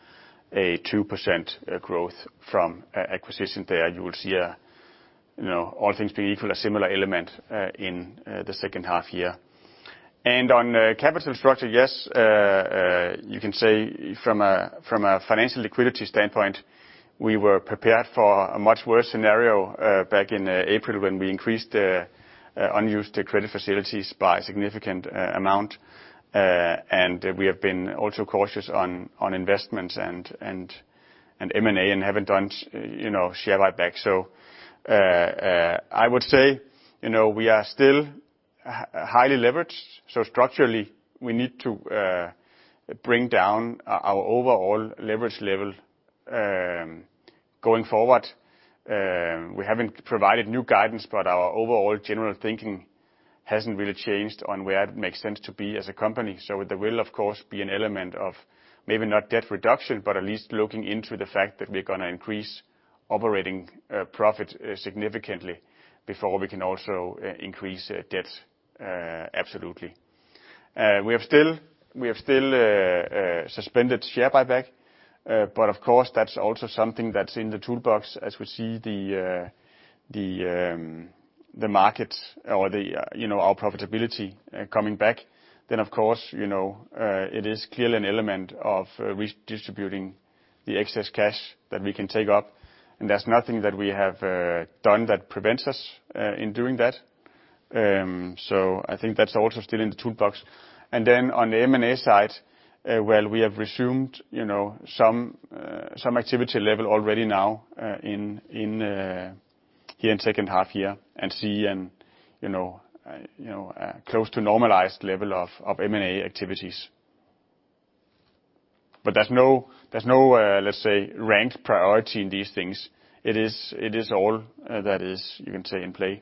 a 2% growth from acquisition there. You will see all things being equal, a similar element in the second half year. And on capital structure, yes, you can say from a financial liquidity standpoint, we were prepared for a much worse scenario back in April when we increased unused credit facilities by a significant amount. And we have been also cautious on investments and M&A and haven't done share buyback. So I would say we are still highly leveraged. So structurally, we need to bring down our overall leverage level going forward. We haven't provided new guidance, but our overall general thinking hasn't really changed on where it makes sense to be as a company, so there will, of course, be an element of maybe not debt reduction, but at least looking into the fact that we're going to increase operating profit significantly before we can also increase debt, absolutely. We have still suspended share buyback, but of course, that's also something that's in the toolbox as we see the market or our profitability coming back, then, of course, it is clearly an element of redistributing the excess cash that we can take up, and there's nothing that we have done that prevents us in doing that, so I think that's also still in the toolbox. Then on the M&A side, well, we have resumed some activity level already now here in the second half of the year and we see close to normalized level of M&A activities. But there's no, let's say, ranked priority in these things. It is all that is, you can say, in play.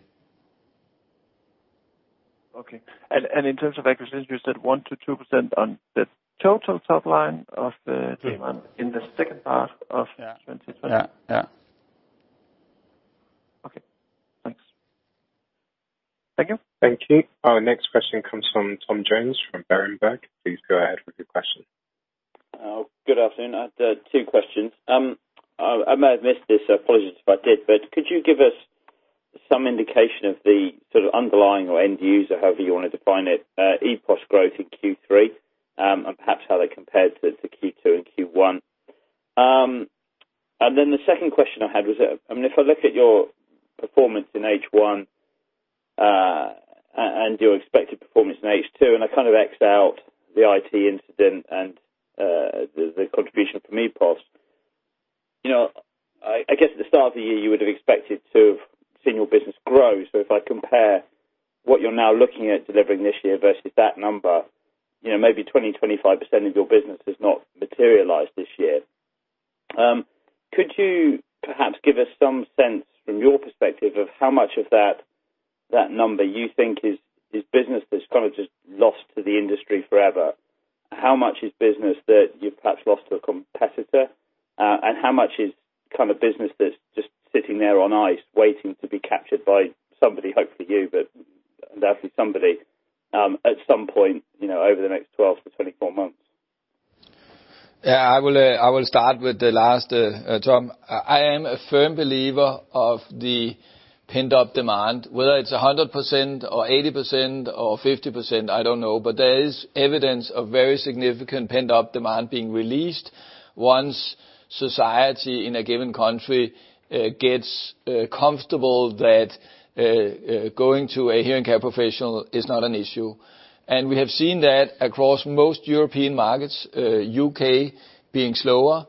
Okay. In terms of acquisitions, you said 1%-2% on the total top line of Demant in the second half of 2020? Yeah. Yeah. Okay. Thanks. Thank you. Our next question comes from Tom Jones from Berenberg. Please go ahead with your question. Good afternoon. I have two questions. I may have missed this, so apologies if I did, but could you give us some indication of the sort of underlying or end user, however you want to define it, EPOS growth in Q3 and perhaps how they compared to Q2 and Q1? And then the second question I had was, I mean, if I look at your performance in H1 and your expected performance in H2, and I kind of X out the IT incident and the contribution from EPOS, I guess at the start of the year, you would have expected to have seen your business grow. So if I compare what you're now looking at delivering this year versus that number, maybe 20%-25% of your business has not materialized this year. Could you perhaps give us some sense from your perspective of how much of that number you think is business that's kind of just lost to the industry forever? How much is business that you've perhaps lost to a competitor? And how much is kind of business that's just sitting there on ice waiting to be captured by somebody, hopefully you, but undoubtedly somebody at some point over the next 12 to 24 months? Yeah. I will start with the last, Tom. I am a firm believer of the pent-up demand. Whether it's 100% or 80% or 50%, I don't know, but there is evidence of very significant pent-up demand being released once society in a given country gets comfortable that going to a hearing care professional is not an issue, and we have seen that across most European markets, U.K. being slower,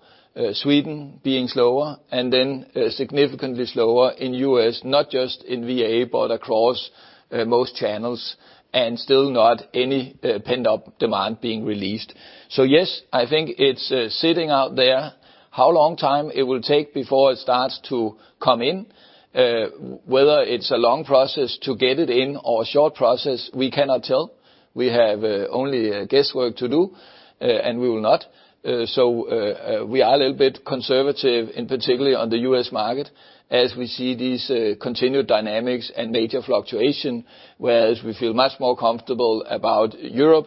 Sweden being slower, and then significantly slower in U.S., not just in VA, but across most channels, and still not any pent-up demand being released, so yes, I think it's sitting out there how long time it will take before it starts to come in. Whether it's a long process to get it in or a short process, we cannot tell. We have only guesswork to do, and we will not. So we are a little bit conservative, in particular on the U.S. market, as we see these continued dynamics and major fluctuation, whereas we feel much more comfortable about Europe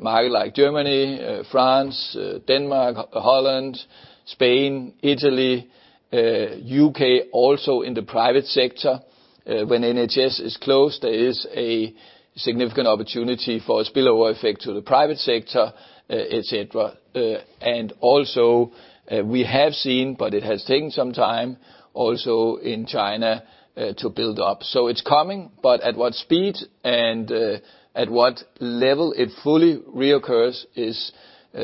market like Germany, France, Denmark, Holland, Spain, Italy, U.K. also in the private sector. When NHS is closed, there is a significant opportunity for a spillover effect to the private sector, etc. And also we have seen, but it has taken some time also in China to build up. So it's coming, but at what speed and at what level it fully reoccurs is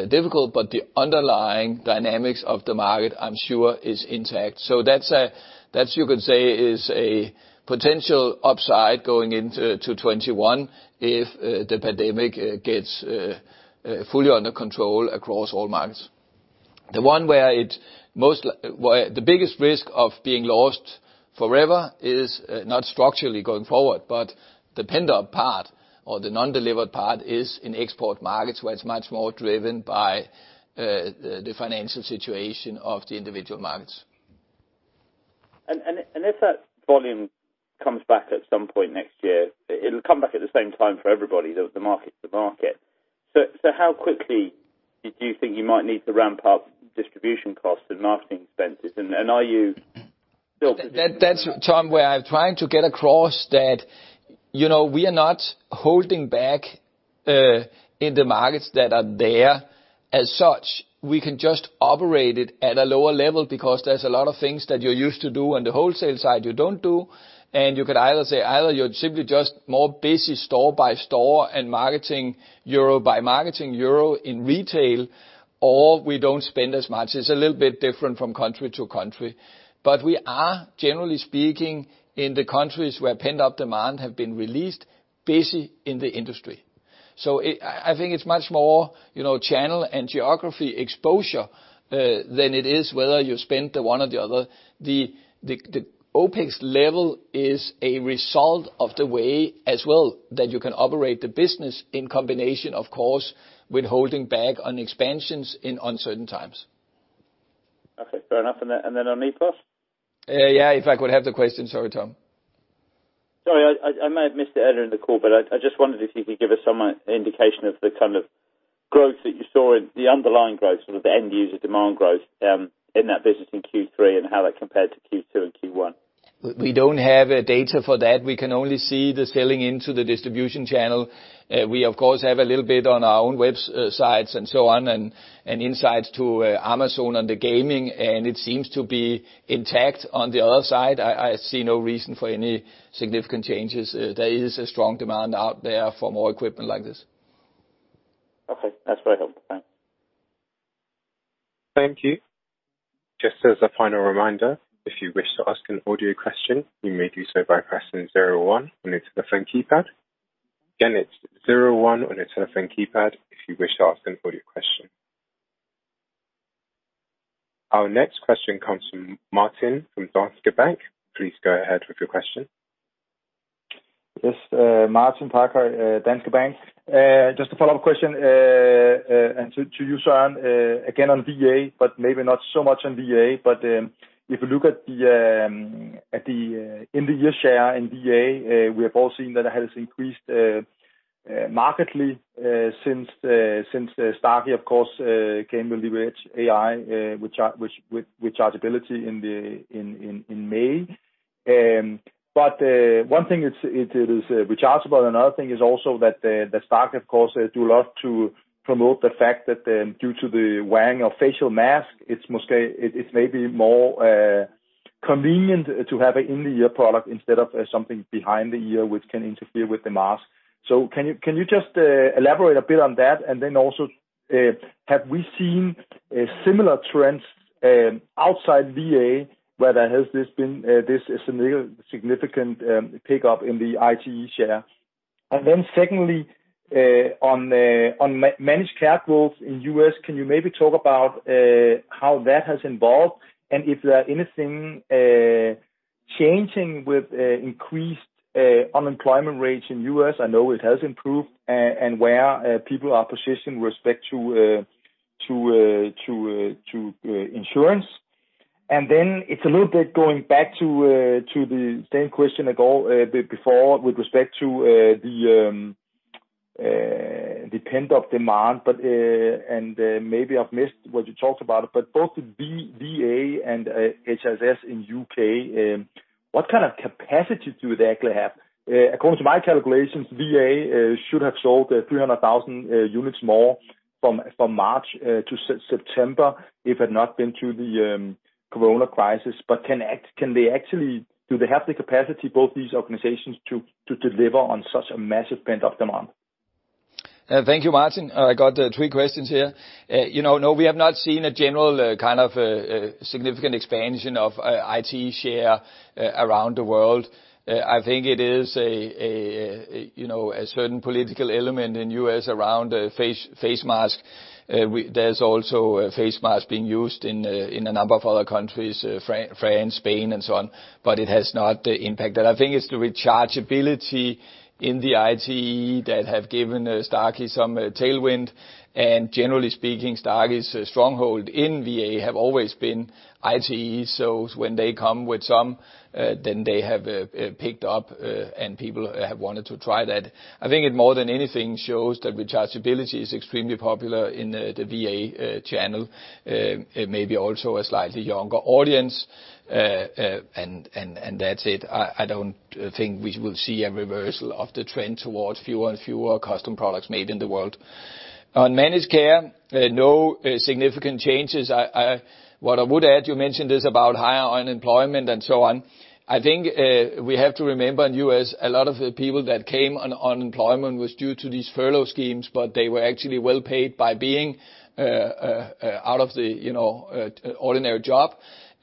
difficult, but the underlying dynamics of the market, I'm sure, is intact. So that's, you could say, is a potential upside going into 2021 if the pandemic gets fully under control across all markets. The one where the biggest risk of being lost forever is not structurally going forward, but the pent-up part or the non-delivered part is in export markets where it's much more driven by the financial situation of the individual markets. If that volume comes back at some point next year, it'll come back at the same time for everybody. The market's the market. How quickly do you think you might need to ramp up distribution costs and marketing expenses? Are you still positioned? That's Tom, where I'm trying to get across that we are not holding back in the markets that are there as such. We can just operate it at a lower level because there's a lot of things that you're used to do on the wholesale side you don't do. And you could either say either you're simply just more busy store by store and marketing euro by marketing euro in retail, or we don't spend as much. It's a little bit different from country to country. But we are, generally speaking, in the countries where pent-up demand has been released, busy in the industry. So I think it's much more channel and geography exposure than it is whether you spend the one or the other. The OpEx level is a result of the way as well that you can operate the business in combination, of course, with holding back on expansions in uncertain times. Okay. Fair enough. And then on EPOS? Yeah. If I could have the question. Sorry, Tom. Sorry. I may have missed the editor in the call, but I just wondered if you could give us some indication of the kind of growth that you saw in the underlying growth, sort of the end user demand growth in that business in Q3 and how that compared to Q2 and Q1? We don't have data for that. We can only see the selling into the distribution channel. We, of course, have a little bit on our own websites and so on and insights to Amazon on the gaming, and it seems to be intact on the other side. I see no reason for any significant changes. There is a strong demand out there for more equipment like this. Okay. That's very helpful. Thanks. Thank you. Just as a final reminder, if you wish to ask an audio question, you may do so by pressing 01 on the telephone keypad. Again, it's 01 on the telephone keypad if you wish to ask an audio question. Our next question comes from Martin from Danske Bank. Please go ahead with your question. Yes. Martin Parkhøi, Danske Bank. Just a follow-up question to you, Søren, again on VA, but maybe not so much on VA. But if you look at the in-the-ear share in VA, we have all seen that it has increased markedly since Starkey, of course, came with AI with rechargeability in May. But one thing is rechargeable, and another thing is also that Starkey, of course, do a lot to promote the fact that due to the wearing of facial masks, it's maybe more convenient to have an In-The-Ear product instead of something behind the ear, which can interfere with the mask. So can you just elaborate a bit on that? And then also, have we seen similar trends outside VA where there has been this significant pickup in the In-The-Ear share? Then, secondly, on managed care growth in the U.S., can you maybe talk about how that has evolved and if there's anything changing with increased unemployment rates in the U.S.? I know it has improved and where people are positioned with respect to insurance. Then it's a little bit going back to the same question I got before with respect to the pent-up demand, and maybe I've missed what you talked about, but both VA and NHS in the U.K., what kind of capacity do they actually have? According to my calculations, VA should have sold 300,000 units more from March to September if it had not been to the corona crisis. But can they actually? Do they have the capacity, both these organizations, to deliver on such a massive pent-up demand? Thank you, Martin. I got three questions here. No, we have not seen a general kind of significant expansion of ITE share around the world. I think it is a certain political element in U.S. around face mask. There's also face masks being used in a number of other countries, France, Spain, and so on, but it has not impacted. I think it's the rechargeability in the ITE that have given Starkey some tailwind, and generally speaking, Starkey's stronghold in VA have always been ITEs. So when they come with some, then they have picked up, and people have wanted to try that. I think it more than anything shows that rechargeability is extremely popular in the VA channel, maybe also a slightly younger audience, and that's it. I don't think we will see a reversal of the trend towards fewer and fewer custom products made in the world. On managed care, no significant changes. What I would add, you mentioned this about higher unemployment and so on. I think we have to remember in the U.S., a lot of the people that came on unemployment was due to these furlough schemes, but they were actually well paid by being out of the ordinary job.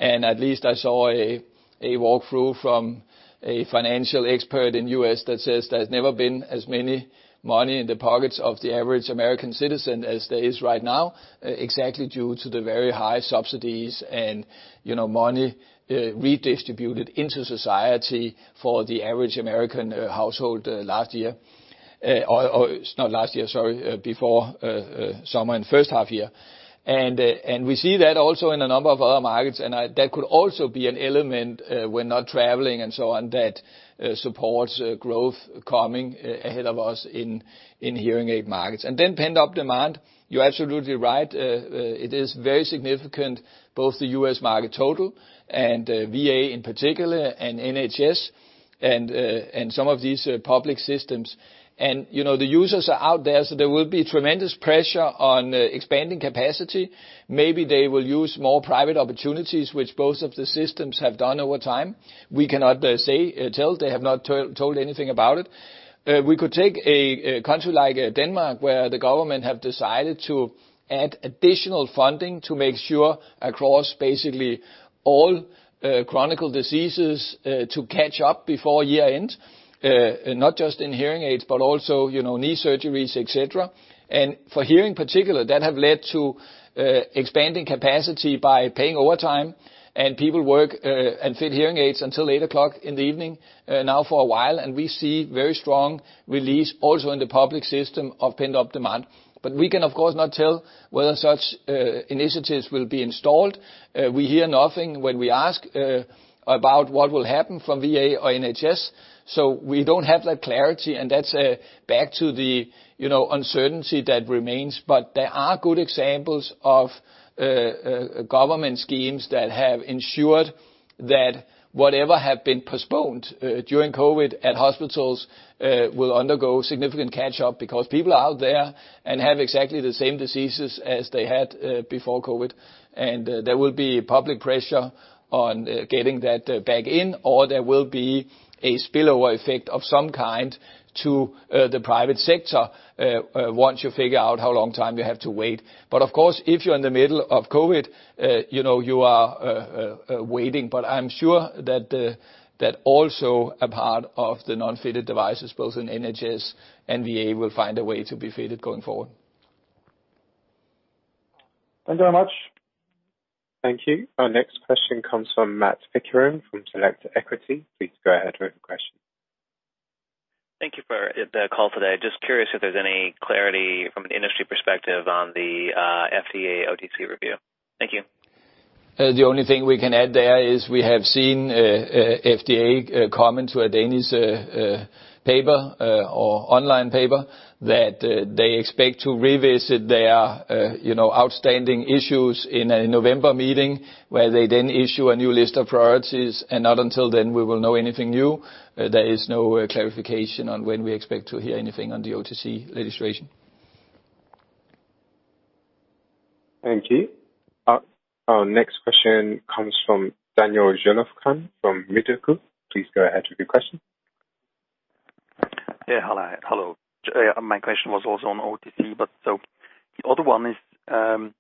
And at least I saw a walkthrough from a financial expert in the U.S. that says there's never been as many money in the pockets of the average American citizen as there is right now, exactly due to the very high subsidies and money redistributed into society for the average American household last year. Not last year, sorry, before summer and first half year. We see that also in a number of other markets, and that could also be an element when not traveling and so on that supports growth coming ahead of us in hearing aid markets. And then pent-up demand, you're absolutely right. It is very significant, both the U.S. market total and VA in particular and NHS and some of these public systems. And the users are out there, so there will be tremendous pressure on expanding capacity. Maybe they will use more private opportunities, which both of the systems have done over time. We cannot tell. They have not told anything about it. We could take a country like Denmark where the government has decided to add additional funding to make sure across basically all chronic diseases to catch up before year-end, not just in hearing aids, but also knee surgeries, etc. For hearing in particular, that has led to expanding capacity by paying overtime, and people work and fit hearing aids until 8:00 P.M. now for a while, and we see very strong release also in the public system of pent-up demand. We can, of course, not tell whether such initiatives will be installed. We hear nothing when we ask about what will happen from VA or NHS. We don't have that clarity, and that's back to the uncertainty that remains. There are good examples of government schemes that have ensured that whatever has been postponed during COVID at hospitals will undergo significant catch-up because people are out there and have exactly the same diseases as they had before COVID. And there will be public pressure on getting that back in, or there will be a spillover effect of some kind to the private sector once you figure out how long time you have to wait. But of course, if you're in the middle of COVID, you are waiting. But I'm sure that also a part of the non-fitted devices, both in NHS and VA, will find a way to be fitted going forward. Thank you very much. Thank you. Our next question comes from Matt Pickering from Select Equity. Please go ahead with your question. Thank you for the call today. Just curious if there's any clarity from an industry perspective on the FDA OTC review? Thank you. The only thing we can add there is we have seen FDA comment to a Danish paper or online paper that they expect to revisit their outstanding issues in a November meeting where they then issue a new list of priorities, and not until then will we know anything new. There is no clarification on when we expect to hear anything on the OTC legislation. Thank you. Our next question comes from Daniel Jelovcan from Mirabaud. Please go ahead with your question. Yeah. Hello. My question was also on OTC, but the other one is on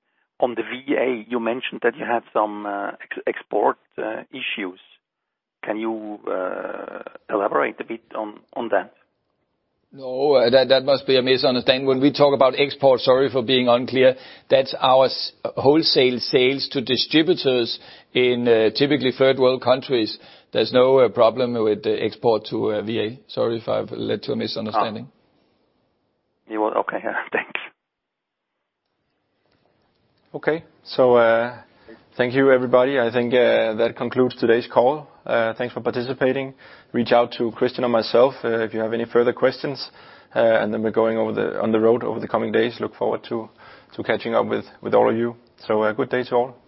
the VA. You mentioned that you had some export issues. Can you elaborate a bit on that? No, that must be a misunderstanding. When we talk about export, sorry for being unclear, that's our wholesale sales to distributors in typically third-world countries. There's no problem with export to VA. Sorry if I've led to a misunderstanding. You were okay here. Thanks. Okay, so thank you, everybody. I think that concludes today's call. Thanks for participating. Reach out to Christian or myself if you have any further questions, and then we're going on the road over the coming days. Look forward to catching up with all of you. So have a good day to all.